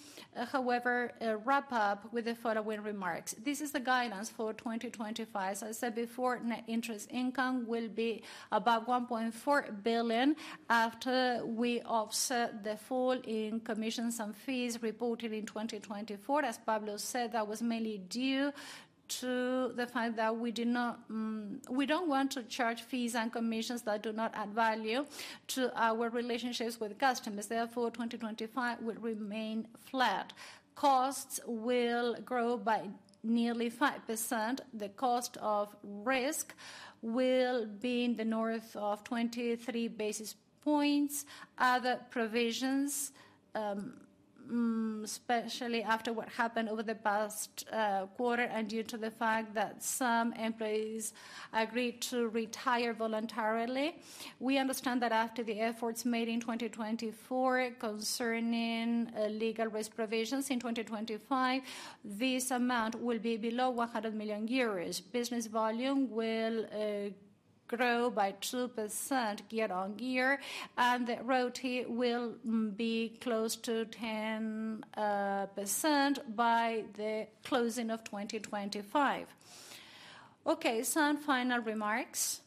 however, wrap up with the following remarks. This is the guidance for 2025. As I said before, net interest income will be about 1.4 billion after we offset the fall in commissions and fees reported in 2024. As Pablo said, that was mainly due to the fact that we don't want to charge fees and commissions that do not add value to our relationships with customers. Therefore, 2025 will remain flat. Costs will grow by nearly 5%. The cost of risk will be in the north of 23 basis points. Other provisions, especially after what happened over the past quarter and due to the fact that some employees agreed to retire voluntarily. We understand that after the efforts made in 2024 concerning legal risk provisions in 2025, this amount will be below 100 million euros. Business volume will grow by 2% year on year, and the ROTE will be close to 10% by the closing of 2025. Okay, some final remarks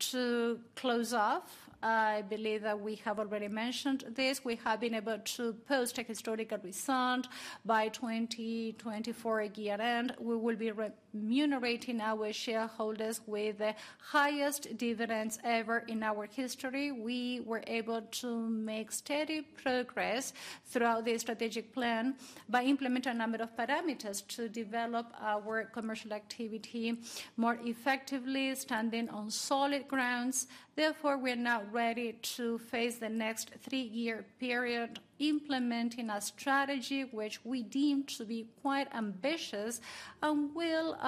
to close off. I believe that we have already mentioned this. We have been able to post a historical result by 2024 year-end. We will be remunerating our shareholders with the highest dividends ever in our history. We were able to make steady progress throughout the strategic plan by implementing a number of parameters to develop our commercial activity more effectively, standing on solid grounds. Therefore, we are now ready to face the next three-year period, implementing a strategy which we deem to be quite ambitious and will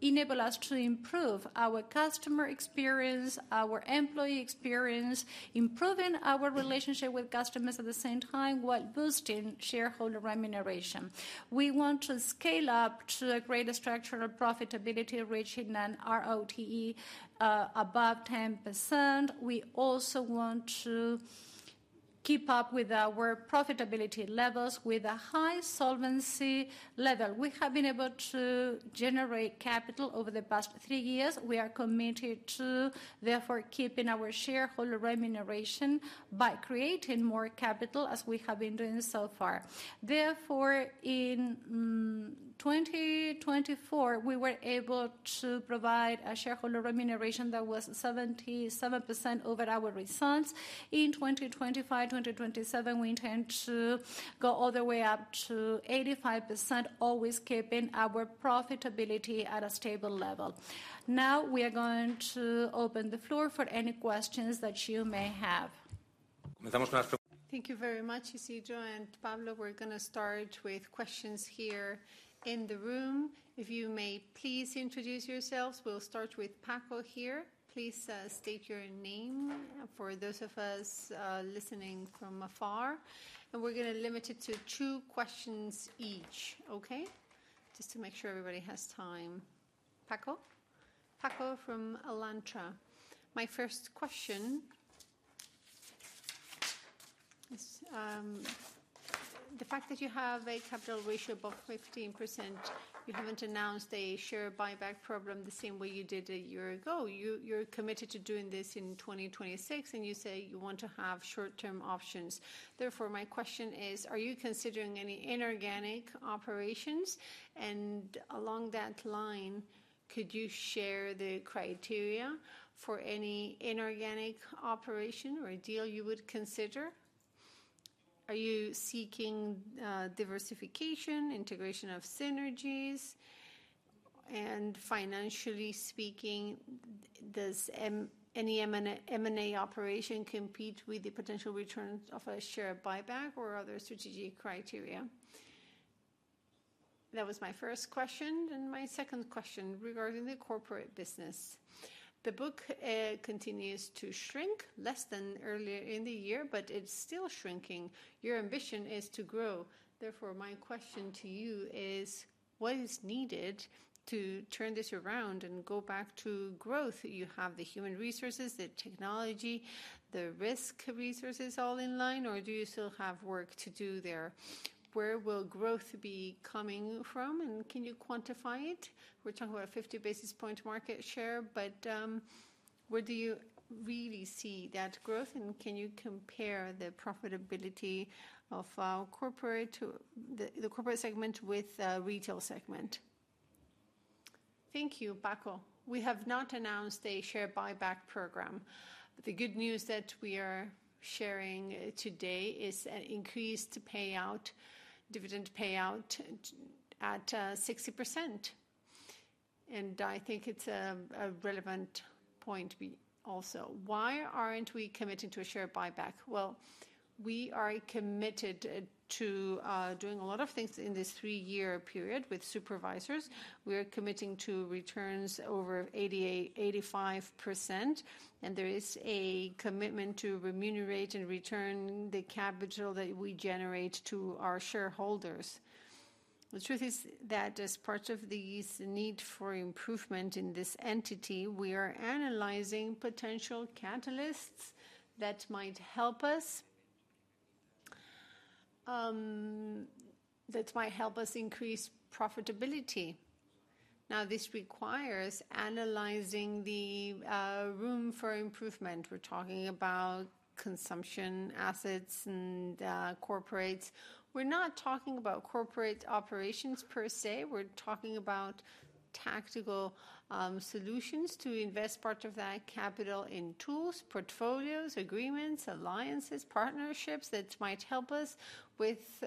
enable us to improve our customer experience, our employee experience, improving our relationship with customers at the same time while boosting shareholder remuneration. We want to scale up to a greater structural profitability, reaching an ROTE above 10%. We also want to keep up with our profitability levels with a high solvency level. We have been able to generate capital over the past three years. We are committed to, therefore, keeping our shareholder remuneration by creating more capital, as we have been doing so far. Therefore, in 2024, we were able to provide a shareholder remuneration that was 77% over our results. In 2025-2027, we intend to go all the way up to 85%, always keeping our profitability at a stable level. Now, we are going to open the floor for any questions that you may have. Thank you very much, Isidro and Pablo. We're going to start with questions here in the room. If you may please introduce yourselves. We'll start with Paco here. Please state your name for those of us listening from afar. We're going to limit it to two questions each, okay? Just to make sure everybody has time. Paco? Paco from Alantra. My first question is the fact that you have a capital ratio above 15%. You haven't announced a share buyback program the same way you did a year ago. You're committed to doing this in 2026, and you say you want to have short-term options. Therefore, my question is, are you considering any inorganic operations? Along that line, could you share the criteria for any inorganic operation or deal you would consider? Are you seeking diversification, integration of synergies? financially speaking, does any M&A operation compete with the potential returns of a share buyback or other strategic criteria? That was my first question. My second question regarding the corporate business. The book continues to shrink, less than earlier in the year, but it's still shrinking. Your ambition is to grow. Therefore, my question to you is, what is needed to turn this around and go back to growth? You have the human resources, the technology, the risk resources all in line, or do you still have work to do there? Where will growth be coming from? Can you quantify it? We're talking about a 50 basis point market share, but where do you really see that growth? Can you compare the profitability of the corporate segment with the retail segment? Thank you, Paco. We have not announced a share buyback program. The good news that we are sharing today is an increased dividend payout at 60%. I think it's a relevant point also. Why aren't we committing to a share buyback? We are committed to doing a lot of things in this three-year period with supervisors. We are committing to returns over 85%, and there is a commitment to remunerate and return the capital that we generate to our shareholders. The truth is that as part of this need for improvement in this entity, we are analyzing potential catalysts that might help us, that might help us increase profitability. Now, this requires analyzing the room for improvement. We're talking about consumer assets and corporates. We're not talking about corporate operations per se. We're talking about tactical solutions to invest part of that capital in tools, portfolios, agreements, alliances, partnerships that might help us with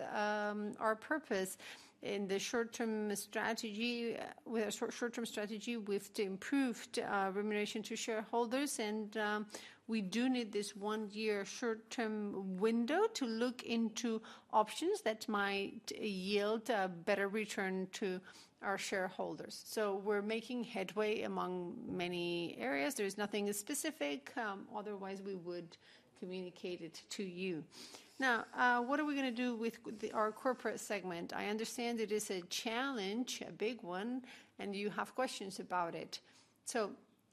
our purpose in the short-term strategy with improved remuneration to shareholders. We do need this one-year short-term window to look into options that might yield a better return to our shareholders. We're making headway among many areas. There is nothing specific. Otherwise, we would communicate it to you. Now, what are we going to do with our corporate segment? I understand it is a challenge, a big one, and you have questions about it.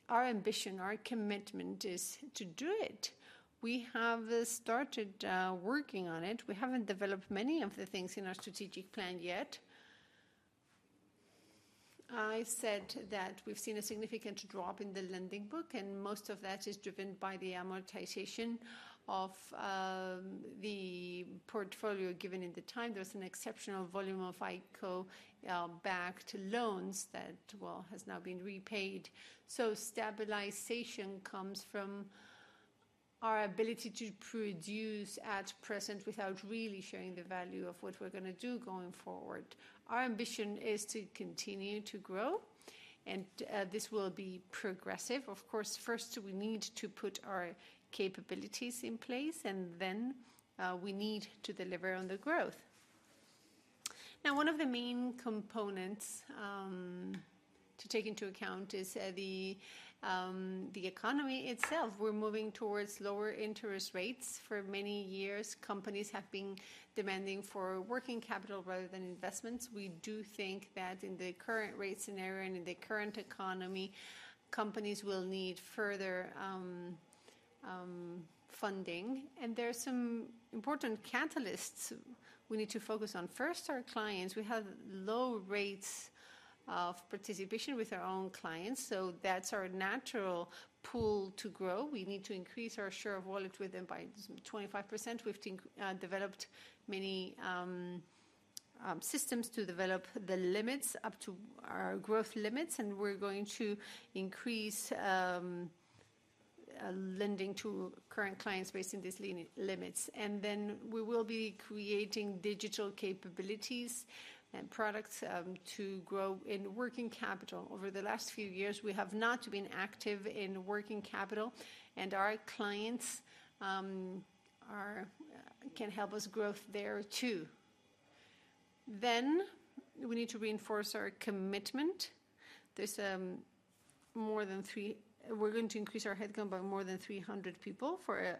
Our ambition, our commitment is to do it. We have started working on it. We haven't developed many of the things in our strategic plan yet. I said that we've seen a significant drop in the lending book, and most of that is driven by the amortization of the portfolio given in the time. There was an exceptional volume of ICO-backed loans that, well, has now been repaid, so stabilization comes from our ability to produce at present without really sharing the value of what we're going to do going forward. Our ambition is to continue to grow, and this will be progressive. First, we need to put our capabilities in place, and then we need to deliver on the growth. Now, one of the main components to take into account is the economy itself. We're moving towards lower interest rates for many years. Companies have been demanding for working capital rather than investments. We do think that in the current rate scenario and in the current economy, companies will need further funding. There are some important catalysts we need to focus on. First, our clients. We have low rates of participation with our own clients, so that's our natural pull to grow. We need to increase our share of wallet with them by 25%. We've developed many systems to develop the limits up to our growth limits, and we're going to increase lending to current clients based on these limits. Then we will be creating digital capabilities and products to grow in working capital. Over the last few years, we have not been active in working capital, and our clients can help us grow there too. Then we need to reinforce our commitment. There's more than three; we're going to increase our headcount by more than 300 people for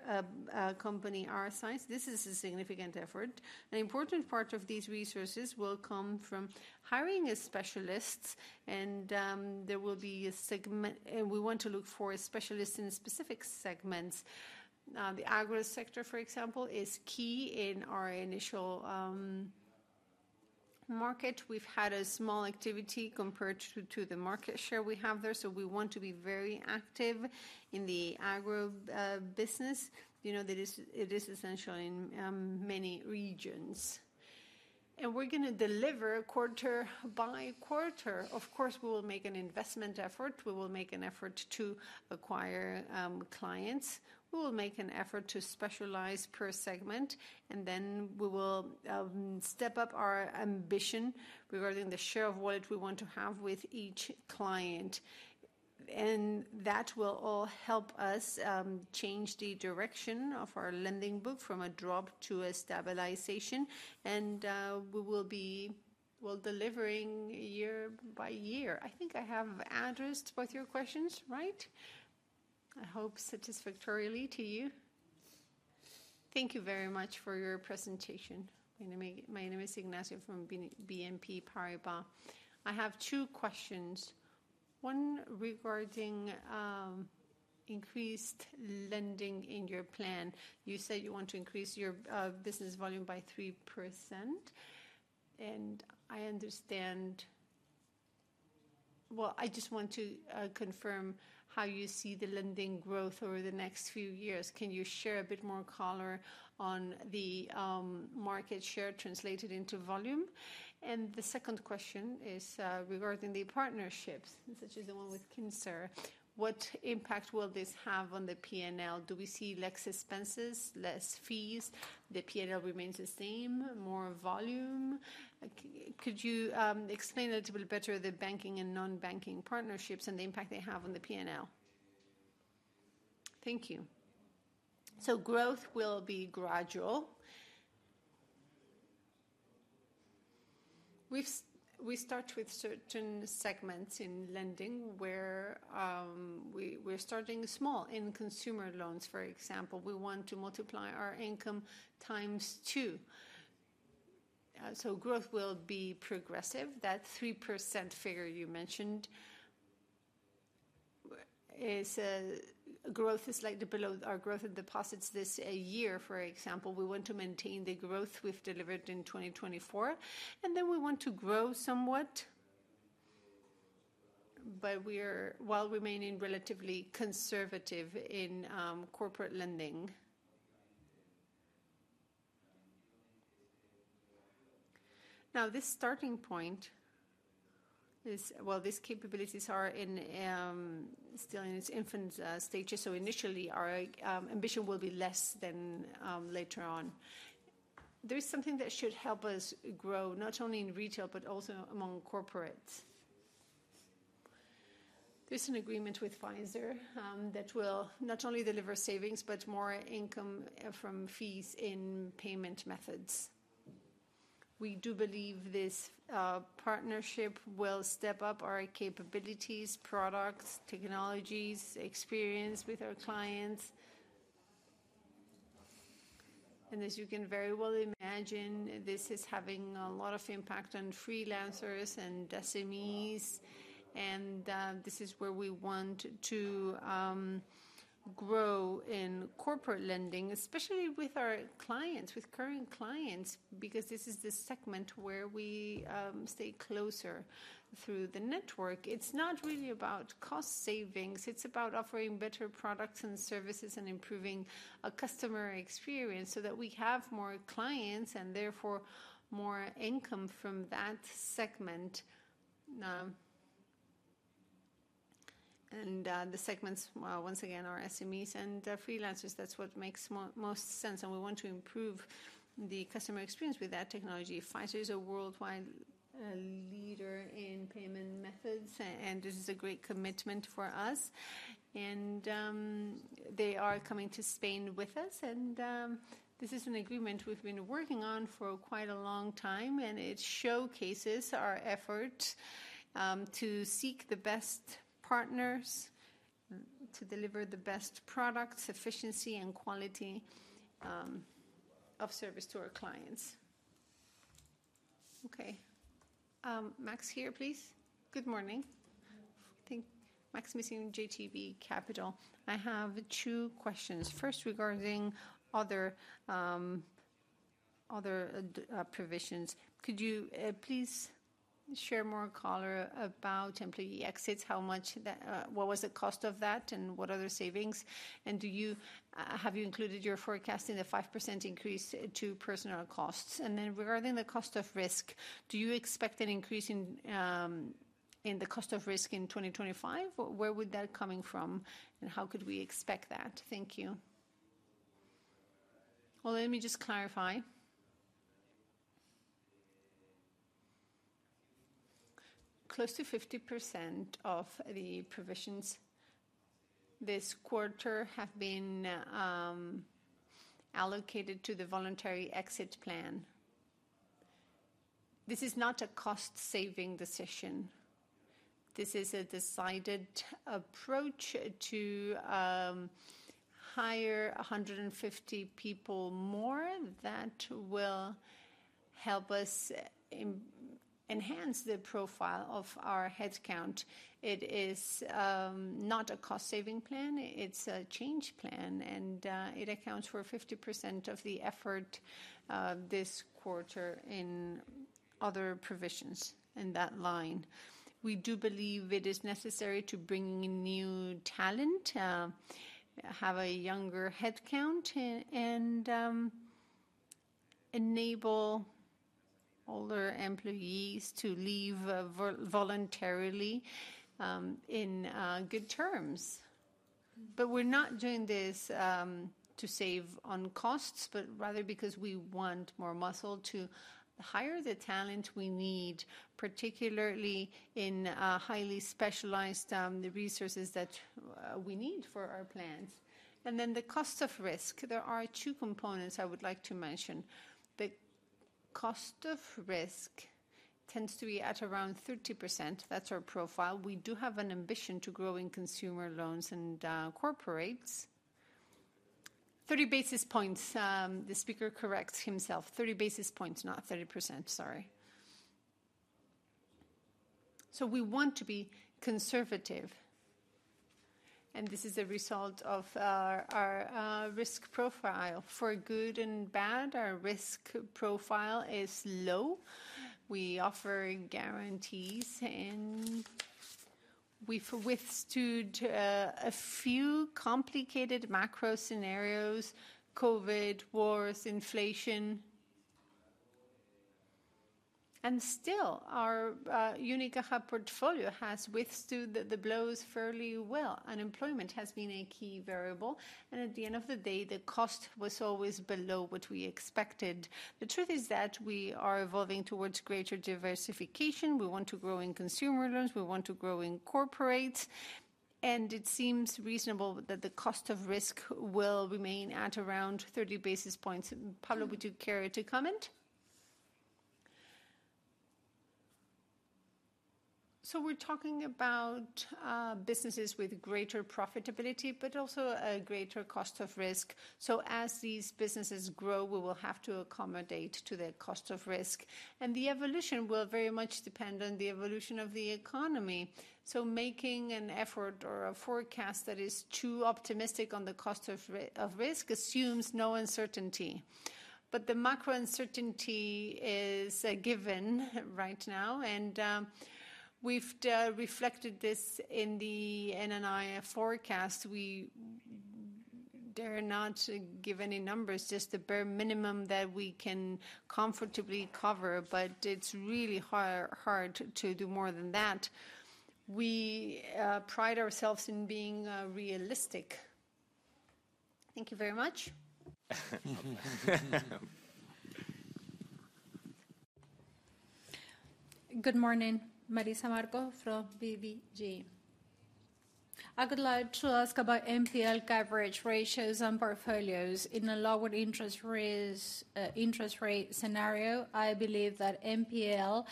a company our size. This is a significant effort. An important part of these resources will come from hiring specialists, and there will be a segment, and we want to look for specialists in specific segments. The agro sector, for example, is key in our initial market. We've had a small activity compared to the market share we have there, so we want to be very active in the agro business. That it is essential in many regions, and we're going to deliver quarter by quarter. We will make an investment effort. We will make an effort to acquire clients. We will make an effort to specialize per segment, and then we will step up our ambition regarding the share of wallet we want to have with each client. That will all help us change the direction of our lending book from a drop to a stabilization, and we will be delivering year by year. I think I have addressed both your questions right. I hope satisfactorily to you. Thank you very much for your presentation. My name is Ignacio from BNP Paribas. I have two questions. One regarding increased lending in your plan. You said you want to increase your business volume by 3%. I understand, well, I just want to confirm how you see the lending growth over the next few years. Can you share a bit more color on the market share translated into volume? The second question is regarding the partnerships, such as the one with Caser. What impact will this have on the P&L? Do we see less expenses, less fees? The P&L remains the same, more volume. Could you explain a little bit better the banking and non-banking partnerships and the impact they have on the P&L? Thank you. Growth will be gradual. We start with certain segments in lending where we're starting small in consumer loans, for example. We want to multiply our income times two. Growth will be progressive. That 3% figure you mentioned, growth is like below our growth of deposits this year, for example. We want to maintain the growth we've delivered in 2024, and then we want to grow somewhat, but while remaining relatively conservative in corporate lending. Now, this starting point, well, these capabilities are still in its infant stages, so initially, our ambition will be less than later on. There is something that should help us grow not only in retail but also among corporates. There's an agreement with Fiserv that will not only deliver savings but more income from fees in payment methods. We do believe this partnership will step up our capabilities, products, technologies, experience with our clients, and as you can very well imagine, this is having a lot of impact on freelancers and SMEs, and this is where we want to grow in corporate lending, especially with our clients, with current clients, because this is the segment where we stay closer through the network. It's not really about cost savings. It's about offering better products and services and improving a customer experience so that we have more clients and therefore more income from that segment, and the segments, once again, are SMEs and freelancers. That's what makes most sense, and we want to improve the customer experience with that technology. Fiserv is a worldwide leader in payment methods, and this is a great commitment for us, and they are coming to Spain with us, and this is an agreement we've been working on for quite a long time, and it showcases our effort to seek the best partners to deliver the best products, efficiency, and quality of service to our clients. Okay. Max here, please. Good morning. Max Mazin, JB Capital Markets. I have two questions. First, regarding other provisions. Could you please share more color about employee exits, what was the cost of that, and what other savings, and have you included your forecast in the 5% increase to personal costs, and then regarding the cost of risk, do you expect an increase in the cost of risk in 2025? Where would that come from, and how could we expect that? Thank you. Well, let me just clarify. Close to 50% of the provisions this quarter have been allocated to the voluntary exit plan. This is not a cost-saving decision. This is a decided approach to hire 150 people more that will help us enhance the profile of our headcount. It is not a cost-saving plan. It's a change plan, and it accounts for 50% of the effort this quarter in other provisions in that line. We do believe it is necessary to bring in new talent, have a younger headcount, and enable older employees to leave voluntarily in good terms. But we're not doing this to save on costs, but rather because we want more muscle to hire the talent we need, particularly in highly specialized resources that we need for our plans. And then the cost of risk. There are two components I would like to mention. The cost of risk tends to be at around 30%. That's our profile. We do have an ambition to grow in consumer loans and corporates. 30 basis points. 30 basis points, not 30%. Sorry. We want to be conservative, and this is a result of our risk profile. For good and bad, our risk profile is low. We offer guarantees, and we've withstood a few complicated macro scenarios: COVID, wars, inflation. Still, our Unicaja portfolio has withstood the blows fairly well. Unemployment has been a key variable. At the end of the day, the cost was always below what we expected. The truth is that we are evolving towards greater diversification. We want to grow in consumer loans. We want to grow in corporates. It seems reasonable that the cost of risk will remain at around 30 basis points. Pablo, would you care to comment? We're talking about businesses with greater profitability, but also a greater cost of risk. As these businesses grow, we will have to accommodate to their cost of risk. The evolution will very much depend on the evolution of the economy. Making an effort or a forecast that is too optimistic on the cost of risk assumes no uncertainty. The macro uncertainty is a given right now, and we've reflected this in the NNI forecast. We dare not give any numbers, just the bare minimum that we can comfortably cover, but it's really hard to do more than that. We pride ourselves in being realistic. Thank you very much. Good morning. Marisa Mazo from GVC. I'd like to ask about NPL coverage ratios and portfolios in a lower interest rate scenario. I believe that NPL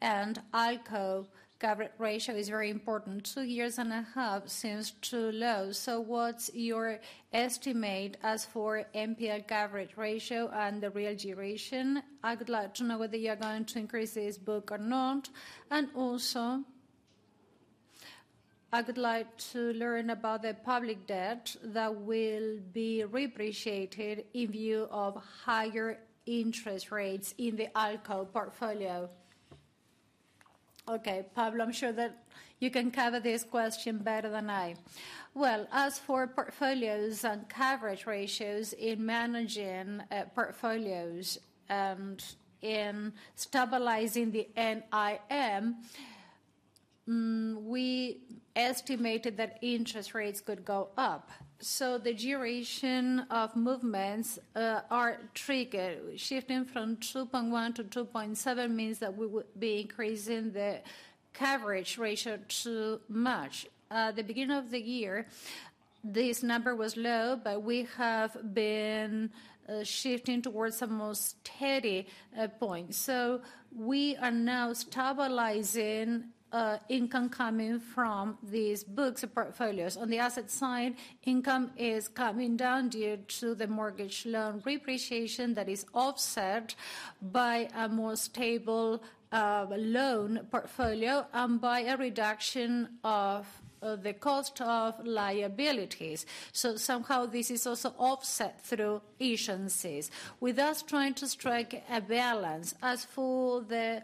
and ALCO coverage ratio is very important. Two years and a half seems too low. What's your estimate as for NPL coverage ratio and the real duration? I'd like to know whether you're going to increase this book or not. I'd like to learn about the public debt that will be reappreciated in view of higher interest rates in the ALCO portfolio. Okay. Pablo, I'm sure that you can cover this question better than I. Well, as for portfolios and coverage ratios in managing portfolios and in stabilizing the NIM, we estimated that interest rates could go up. the duration of movements are triggered. Shifting from 2.1-2.7 means that we would be increasing the coverage ratio too much. At the beginning of the year, this number was low, but we have been shifting towards a more steady point. We are now stabilizing income coming from these books and portfolios. On the asset side, income is coming down due to the mortgage loan repricing that is offset by a more stable loan portfolio and by a reduction of the cost of liabilities. Somehow, this is also offset through issuances. With us trying to strike a balance, as for the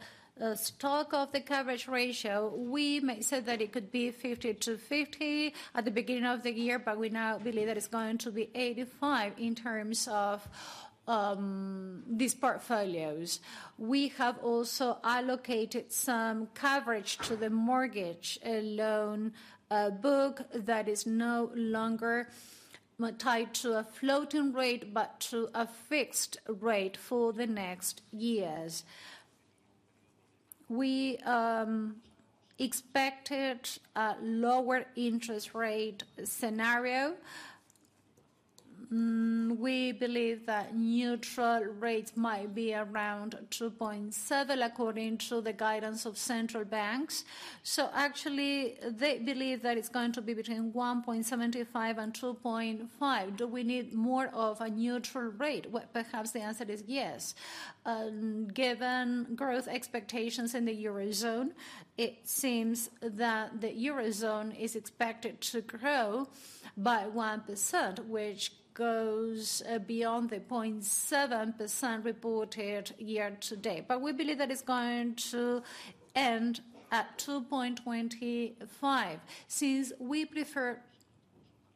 stock of the coverage ratio, we may say that it could be 50 to 50 at the beginning of the year, but we now believe that it's going to be 85 in terms of these portfolios. We have also allocated some coverage to the mortgage loan book that is no longer tied to a floating rate but to a fixed rate for the next years. We expected a lower interest rate scenario. We believe that neutral rates might be around 2.7 according to the guidance of central banks. Actually, they believe that it's going to be between 1.75% and 2.5%. Do we need more of a neutral rate? Perhaps the answer is yes. Given growth expectations in the Eurozone, it seems that the Eurozone is expected to grow by 1%, which goes beyond the 0.7% reported year to date. We believe that it's going to end at 2.25%. Since we prefer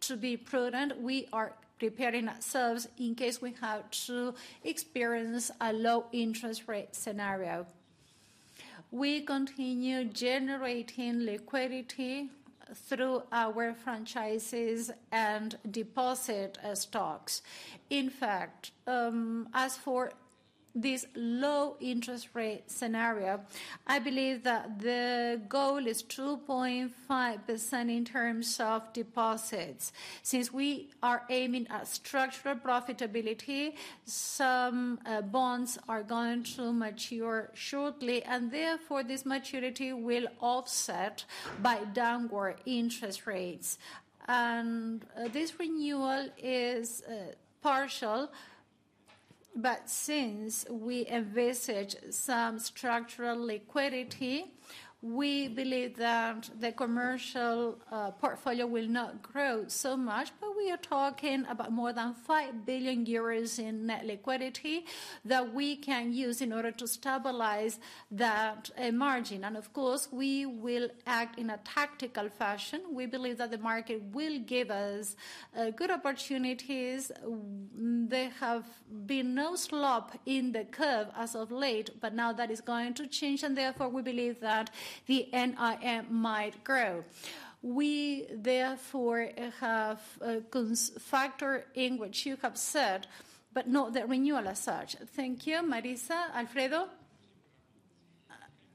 to be prudent, we are preparing ourselves in case we have to experience a low interest rate scenario. We continue generating liquidity through our franchises and deposit stocks. In fact, as for this low interest rate scenario, I believe that the goal is 2.5% in terms of deposits. Since we are aiming at structural profitability, some bonds are going to mature shortly, and therefore, this maturity will offset by downward interest rates. This renewal is partial, but since we envisage some structural liquidity, we believe that the commercial portfolio will not grow so much, but we are talking about more than 5 billion euros in net liquidity that we can use in order to stabilize that margin. We will act in a tactical fashion. We believe that the market will give us good opportunities. There has been no slope in the curve as of late, but now that is going to change, and therefore, we believe that the NIM might grow. We, therefore, have factored in what you have said, but not the renewal as such. Thank you. Marisa? Alfredo?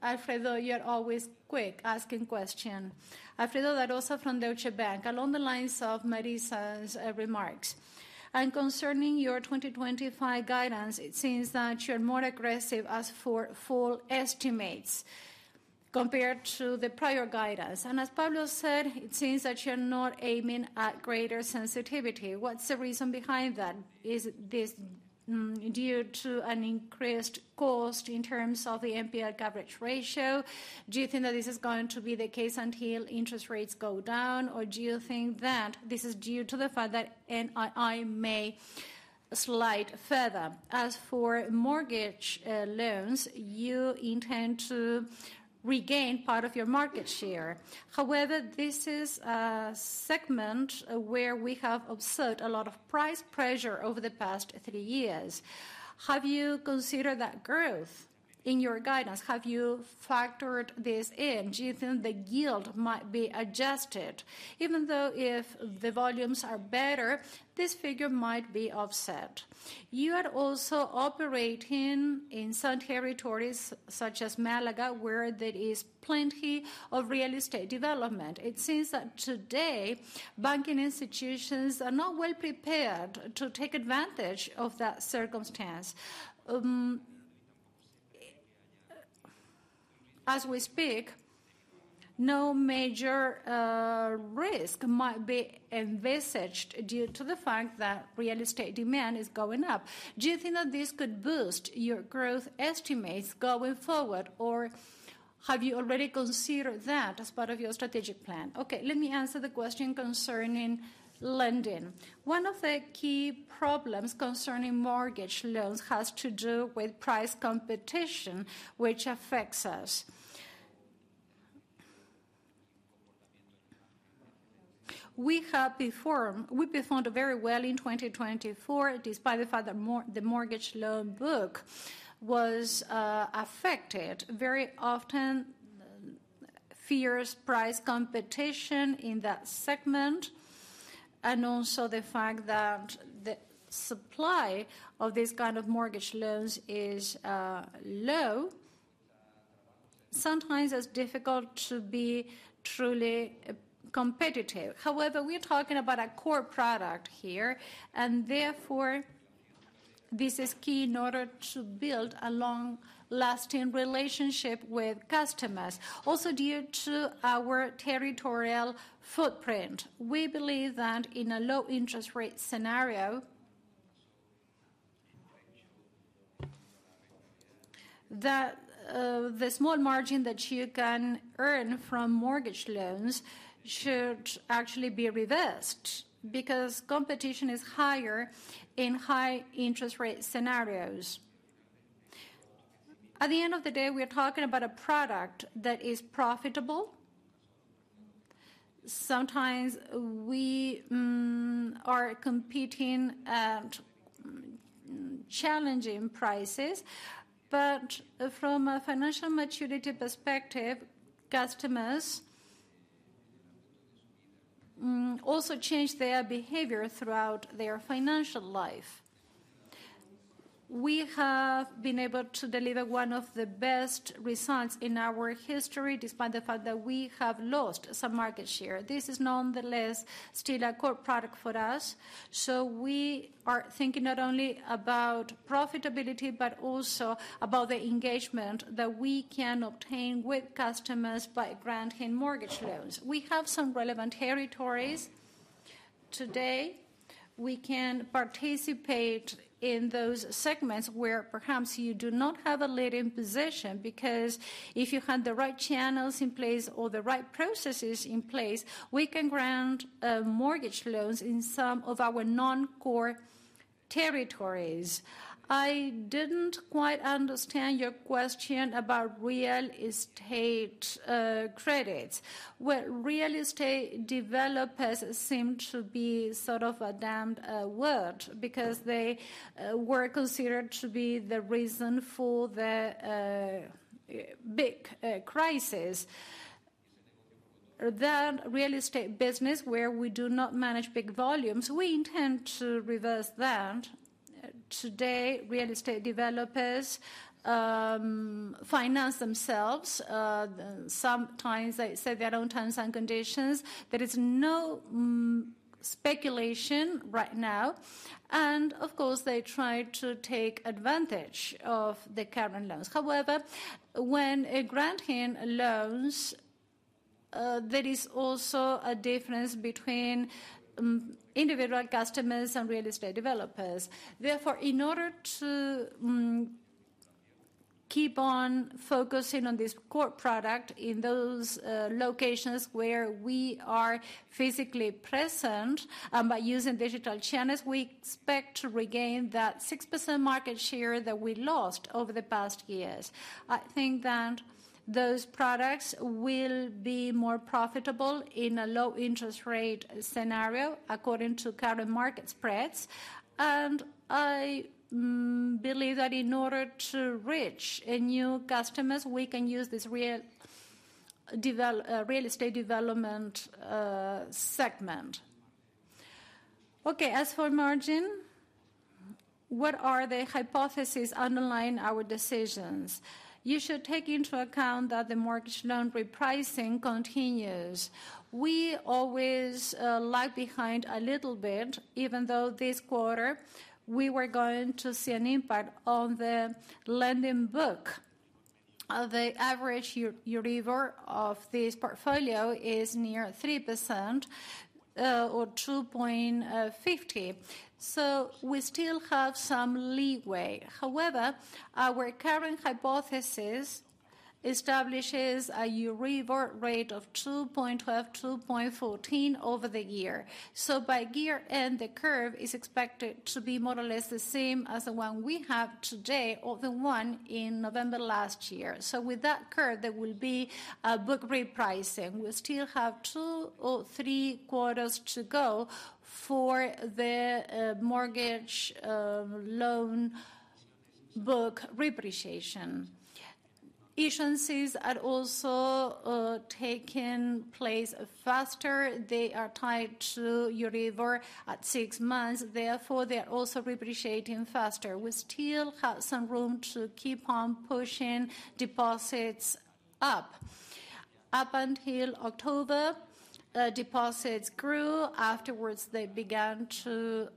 Alfredo, you are always quick asking questions. Alfredo Alonso from Deutsche Bank, along the lines of Marisa's remarks. Concerning your 2025 guidance, it seems that you are more aggressive as for full estimates compared to the prior guidance. As Pablo said, it seems that you're not aiming at greater sensitivity. What's the reason behind that? Is this due to an increased cost in terms of the NPL coverage ratio? Do you think that this is going to be the case until interest rates go down, or do you think that this is due to the fact that NII may slide further? As for mortgage loans, you intend to regain part of your market share. However, this is a segment where we have observed a lot of price pressure over the past three years. Have you considered that growth in your guidance? Have you factored this in? Do you think the yield might be adjusted? Even though if the volumes are better, this figure might be offset. You are also operating in some territories such as Málaga, where there is plenty of real estate development. It seems that today, banking institutions are not well prepared to take advantage of that circumstance. As we speak, no major risk might be envisaged due to the fact that real estate demand is going up. Do you think that this could boost your growth estimates going forward, or have you already considered that as part of your strategic plan? Okay. Let me answer the question concerning lending. One of the key problems concerning mortgage loans has to do with price competition, which affects us. We performed very well in 2024, despite the fact that the mortgage loan book was affected. Very often, fierce price competition in that segment, and also the fact that the supply of this mortgage loans is low, sometimes it's difficult to be truly competitive. However, we're talking about a core product here, and therefore, this is key in order to build a long-lasting relationship with customers. Fue to our territorial footprint, we believe that in a low interest rate scenario, the small margin that you can earn from mortgage loans should actually be reversed because competition is higher in high interest rate scenarios. At the end of the day, we're talking about a product that is profitable. Sometimes we are competing at challenging prices, but from a financial maturity perspective, customers also change their behavior throughout their financial life. We have been able to deliver one of the best results in our history despite the fact that we have lost some market share. This is nonetheless still a core product for us. We are thinking not only about profitability but also about the engagement that we can obtain with customers by granting mortgage loans. We have some relevant territories today. We can participate in those segments where perhaps you do not have a leading position because if you have the right channels in place or the right processes in place, we can grant mortgage loans in some of our non-core territories. I didn't quite understand your question about real estate credits. Real estate developers seem to be a dirty word because they were considered to be the reason for the big crisis. That real estate business where we do not manage big volumes. We intend to reverse that. Today, real estate developers finance themselves. Sometimes they set their own terms and conditions. There is no speculation right now. They try to take advantage of the current loans. However, when granting loans, there is also a difference between individual customers and real estate developers. Therefore, in order to keep on focusing on this core product in those locations where we are physically present and by using digital channels, we expect to regain that 6% market share that we lost over the past years. I think that those products will be more profitable in a low interest rate scenario according to current market spreads. I believe that in order to reach new customers, we can use this real estate development segment. Okay. As for margin, what are the hypotheses underlying our decisions? You should take into account that the mortgage loan repricing continues. We always lag behind a little bit, even though this quarter we were going to see an impact on the lending book. The average Euribor of this portfolio is near 3% or 2.50%. We still have some leeway. However, our current hypothesis establishes a Euribor rate of 2.12%, 2.14% over the year. By year-end, the curve is expected to be more or less the same as the one we have today or the one in November last year. With that curve, there will be a book repricing. We still have two or three quarters to go for the mortgage loan book repricing. Issuances are also taking place faster. They are tied to Euribor at six months. Therefore, they are also repricing faster. We still have some room to keep on pushing deposits up. Up until October, deposits grew. Afterwards, they began to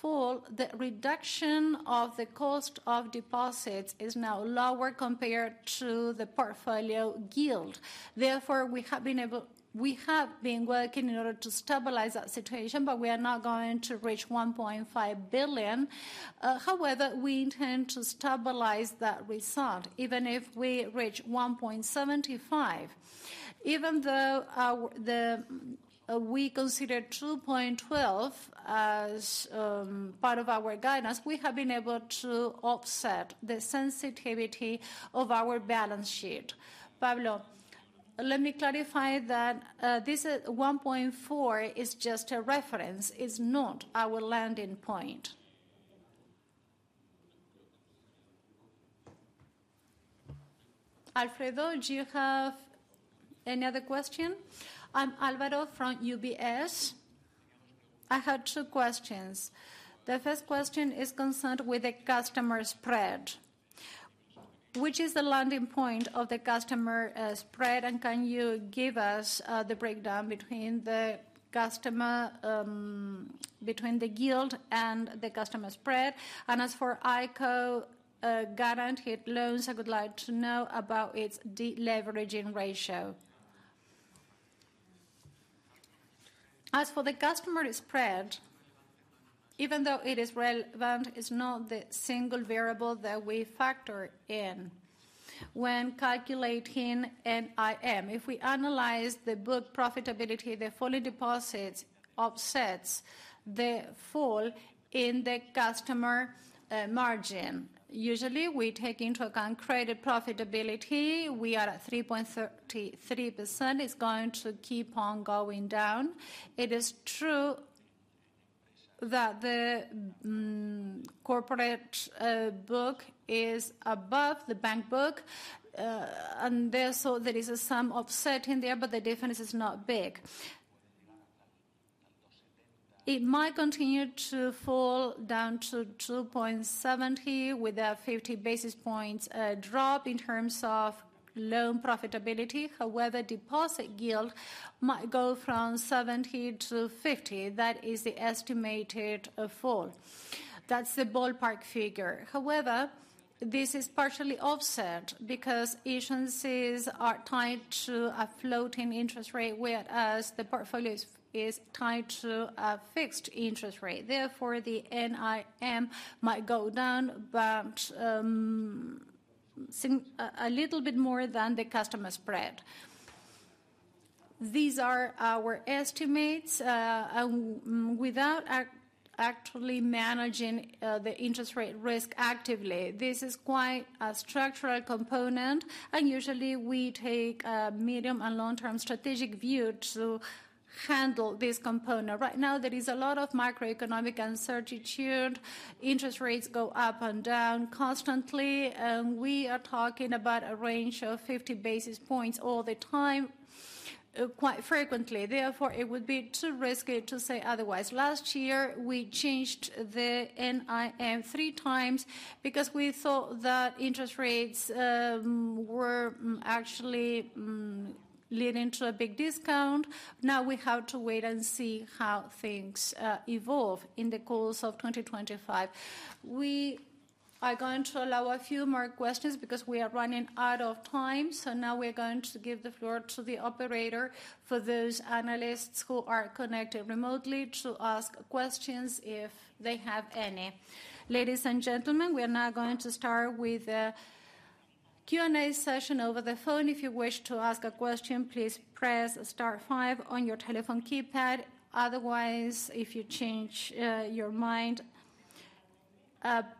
fall. The reduction of the cost of deposits is now lower compared to the portfolio yield. Therefore, we have been working in order to stabilize that situation, but we are not going to reach 1.5 billion. However, we intend to stabilize that result even if we reach 1.75 billion. Even though we consider 2.12 as part of our guidance, we have been able to offset the sensitivity of our balance sheet. Pablo, let me clarify that this 1.4 is just a reference. It's not our landing point. Alfredo, do you have any other question? I'm Álvaro from UBS. I have two questions. The first question is concerned with the customer spread. Which is the landing point of the customer spread, and can you give us the breakdown between the yield and the customer spread? As for ICO guaranteed loans, I would like to know about its deleveraging ratio. As for the customer spread, even though it is relevant, it's not the single variable that we factor in when calculating NIM. If we analyze the book profitability, the funding deposits offset the fall in the customer margin. Usually, we take into account credit profitability. We are at 3.33%. It's going to keep on going down. It is true that the corporate book is above the bank book, and therefore there is a sum offsetting there, but the difference is not big. It might continue to fall down to 2.70% with a 50 basis points drop in terms of loan profitability. However, deposit yield might go from 70-50. That is the estimated fall. That's the ballpark figure. However, this is partially offset because issuances are tied to a floating interest rate, whereas the portfolio is tied to a fixed interest rate. Therefore, the NIM might go down a little bit more than the customer spread. These are our estimates without actually managing the interest rate risk actively. This is quite a structural component, and usually, we take a medium and long-term strategic view to handle this component. Right now, there is a lot of macroeconomic uncertainty. Interest rates go up and down constantly, and we are talking about a range of 50 basis points all the time quite frequently. Therefore, it would be too risky to say otherwise. Last year, we changed the NIM three times because we thought that interest rates were actually leading to a big discount. Now, we have to wait and see how things evolve in the course of 2025. We are going to allow a few more questions because we are running out of time. Now we're going to give the floor to the operator for those analysts who are connected remotely to ask questions if they have any. Ladies and gentlemen, we are now going to start with a Q&A session over the phone. If you wish to ask a question, please press star five on your telephone keypad. Otherwise, if you change your mind,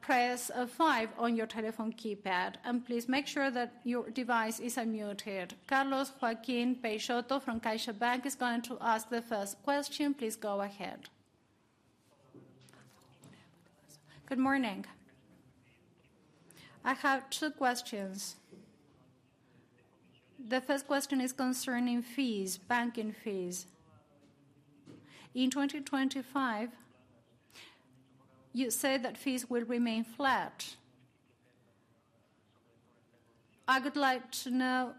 press five on your telephone keypad. Please make sure that your device is unmuted. Carlos Joaquin Peixoto from CaixaBank is going to ask the first question. Please go ahead. Good morning. I have two questions. The first question is concerning fees, banking fees. In 2025, you said that fees will remain flat. I would like to know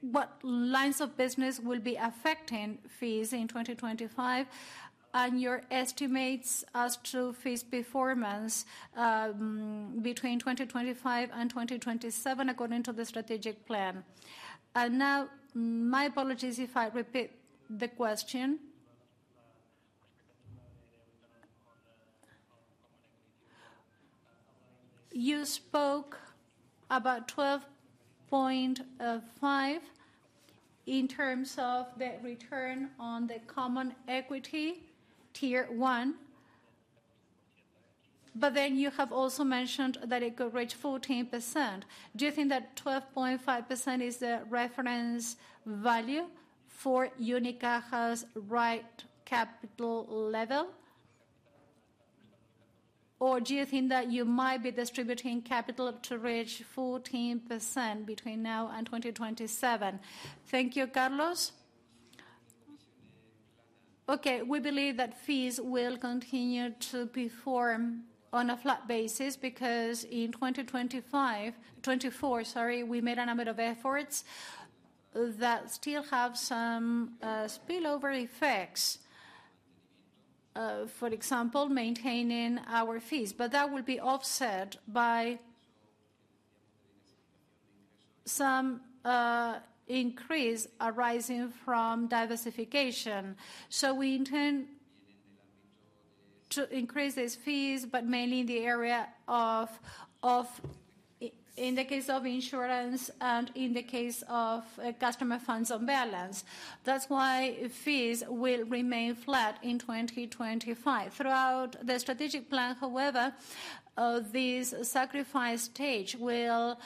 what lines of business will be affecting fees in 2025 and your estimates as to fees performance between 2025 and 2027 according to the strategic plan. Now, my apologies if I repeat the question. You spoke about 12.5% in terms of the return on the common equity tier one, but then you have also mentioned that it could reach 14%. Do you think that 12.5% is the reference value for Unicaja's right capital level? Or do you think that you might be distributing capital to reach 14% between now and 2027? Thank you, Carlos. Okay. We believe that fees will continue to perform on a flat basis because in 2025, 24, sorry, we made a number of efforts that still have some spillover effects, for example, maintaining our fees, but that will be offset by some increase arising from diversification. We intend to increase these fees, but mainly in the area of, in the case of insurance and in the case of customer funds on balance. That's why fees will remain flat in 2025. Throughout the strategic plan, however, this sacrifice stage will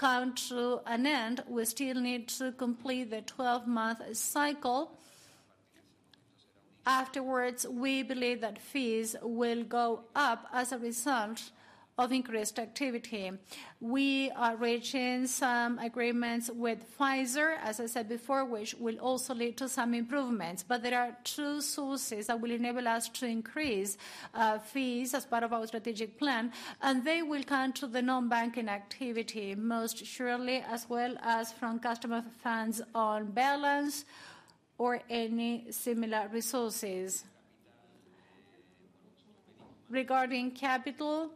come to an end. We still need to complete the 12-month cycle. Afterwards, we believe that fees will go up as a result of increased activity. We are reaching some agreements with Fiserv, as I said before, which will also lead to some improvements. There are two sources that will enable us to increase fees as part of our strategic plan, and they will come to the non-banking activity most surely, as well as from customer funds on balance or any similar resources. Regarding capital,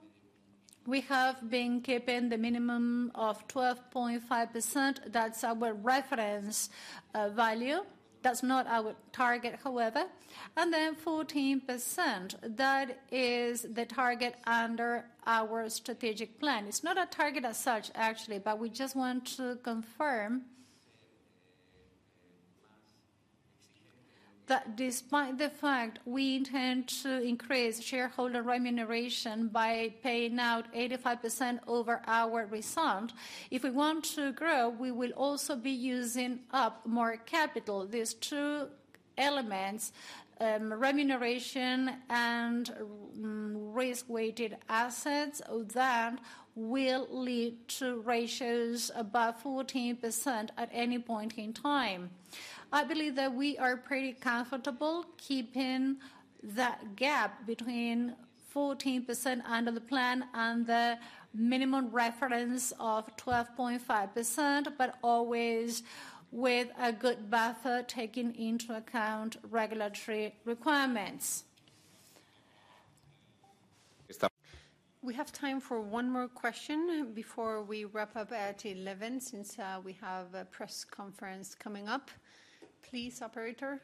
we have been keeping the minimum of 12.5%. That's our reference value. That's not our target, however, and then 14%, that is the target under our strategic plan. It's not a target as such, actually, but we just want to confirm that despite the fact, we intend to increase shareholder remuneration by paying out 85% over our result. If we want to grow, we will also be using up more capital. These two elements, remuneration and risk-weighted assets, that will lead to ratios above 14% at any point in time. I believe that we are pretty comfortable keeping that gap between 14% under the plan and the minimum reference of 12.5%, but always with a good buffer taking into account regulatory requirements. We have time for one more question before we wrap up at 11:00 A.M. since we have a press conference coming up. Please, operator.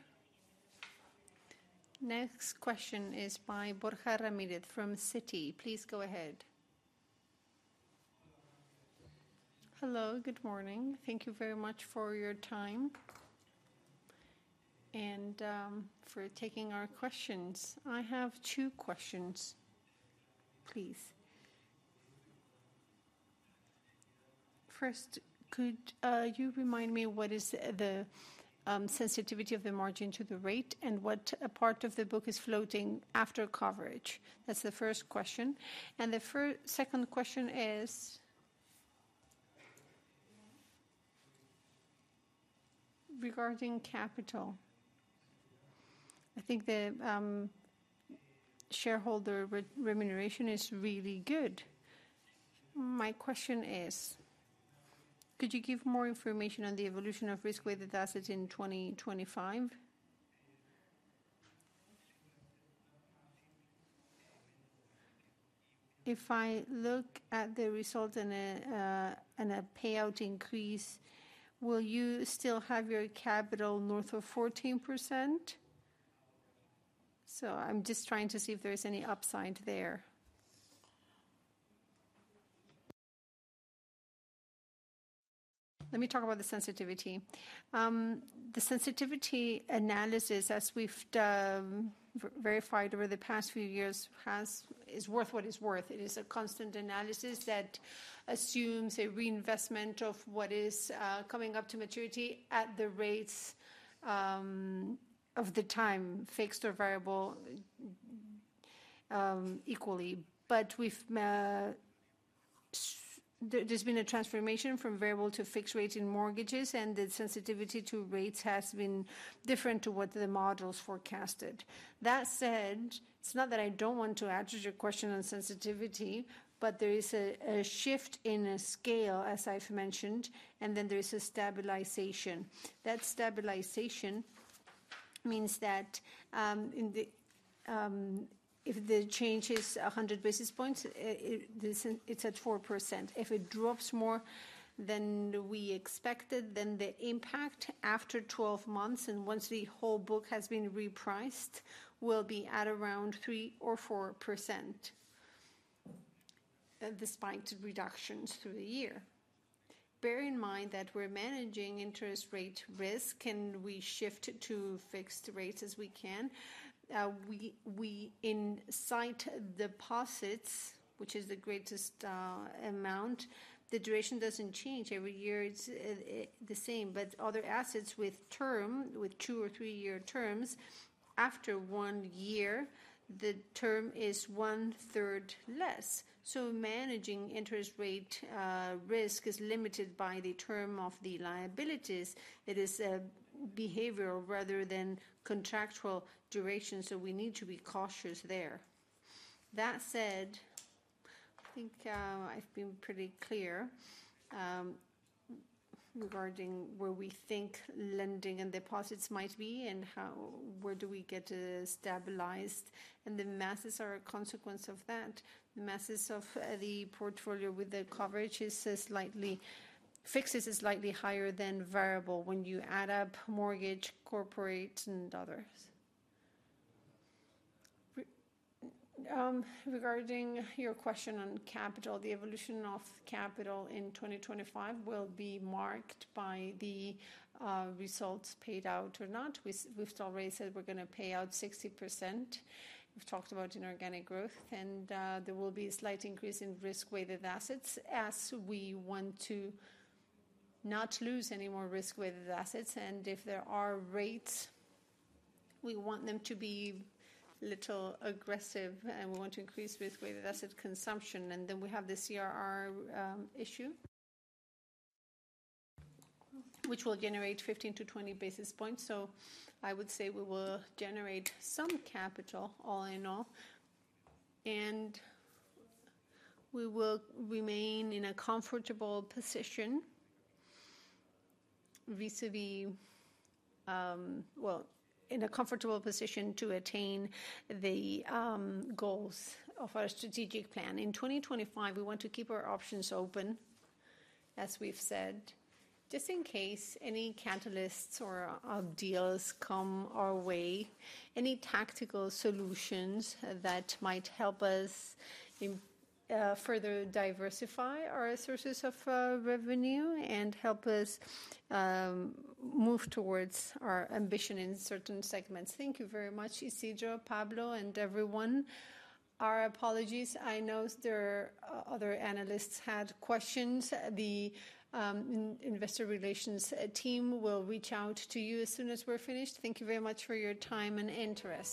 Next question is by Borja Ramírez from Citi. Please go ahead. Hello, good morning. Thank you very much for your time and for taking our questions. I have two questions, please. First, could you remind me what is the sensitivity of the margin to the rate and what part of the book is floating after coverage? That's the first question. The second question is regarding capital. I think the shareholder remuneration is really good. My question is, could you give more information on the evolution of risk-weighted assets in 2025? If I look at the result and a payout increase, will you still have your capital north of 14%? I'm just trying to see if there's any upside there. Let me talk about the sensitivity. The sensitivity analysis, as we've verified over the past few years, is worth what it's worth. It is a constant analysis that assumes a reinvestment of what is coming up to maturity at the rates of the time, fixed or variable equally. There's been a transformation from variable to fixed rates in mortgages, and the sensitivity to rates has been different to what the models forecasted. That said, it's not that I don't want to answer your question on sensitivity, but there is a shift in scale, as I've mentioned, and then there is a stabilization. That stabilization means that if the change is 100 basis points, it's at 4%. If it drops more than we expected, then the impact after 12 months and once the whole book has been repriced will be at around 3 or 4% despite reductions through the year. Bear in mind that we're managing interest rate risk, and we shift to fixed rates as we can. We incite deposits, which is the greatest amount. The duration doesn't change. Every year it's the same. Other assets with term, with two or three-year terms, after one year, the term is one-third less. Managing interest rate risk is limited by the term of the liabilities. It is a behavioral rather than contractual duration, so we need to be cautious there. That said, I think I've been pretty clear regarding where we think lending and deposits might be and where we get stabilized. The masses are a consequence of that. The masses of the portfolio with the coverage is slightly fixed is slightly higher than variable when you add up mortgage, corporate, and others. Regarding your question on capital, the evolution of capital in 2025 will be marked by the results paid out or not. We've already said we're going to pay out 60%. We've talked about inorganic growth, and there will be a slight increase in risk-weighted assets as we want to not lose any more risk-weighted assets, and if there are rates, we want them to be a little aggressive, and we want to increase risk-weighted asset consumption, and then we have the CRR issue, which will generate 15-20 basis points, so I would say we will generate some capital all in all, and we will remain in a comfortable position, well, in a comfortable position to attain the goals of our strategic plan. In 2025, we want to keep our options open, as we've said, just in case any catalysts or deals come our way, any tactical solutions that might help us further diversify our sources of revenue and help us move towards our ambition in certain segments. Thank you very much, Isidro, Pablo, and everyone. Our apologies. I know there are other analysts who had questions. The investor relations team will reach out to you as soon as we're finished. Thank you very much for your time and interest.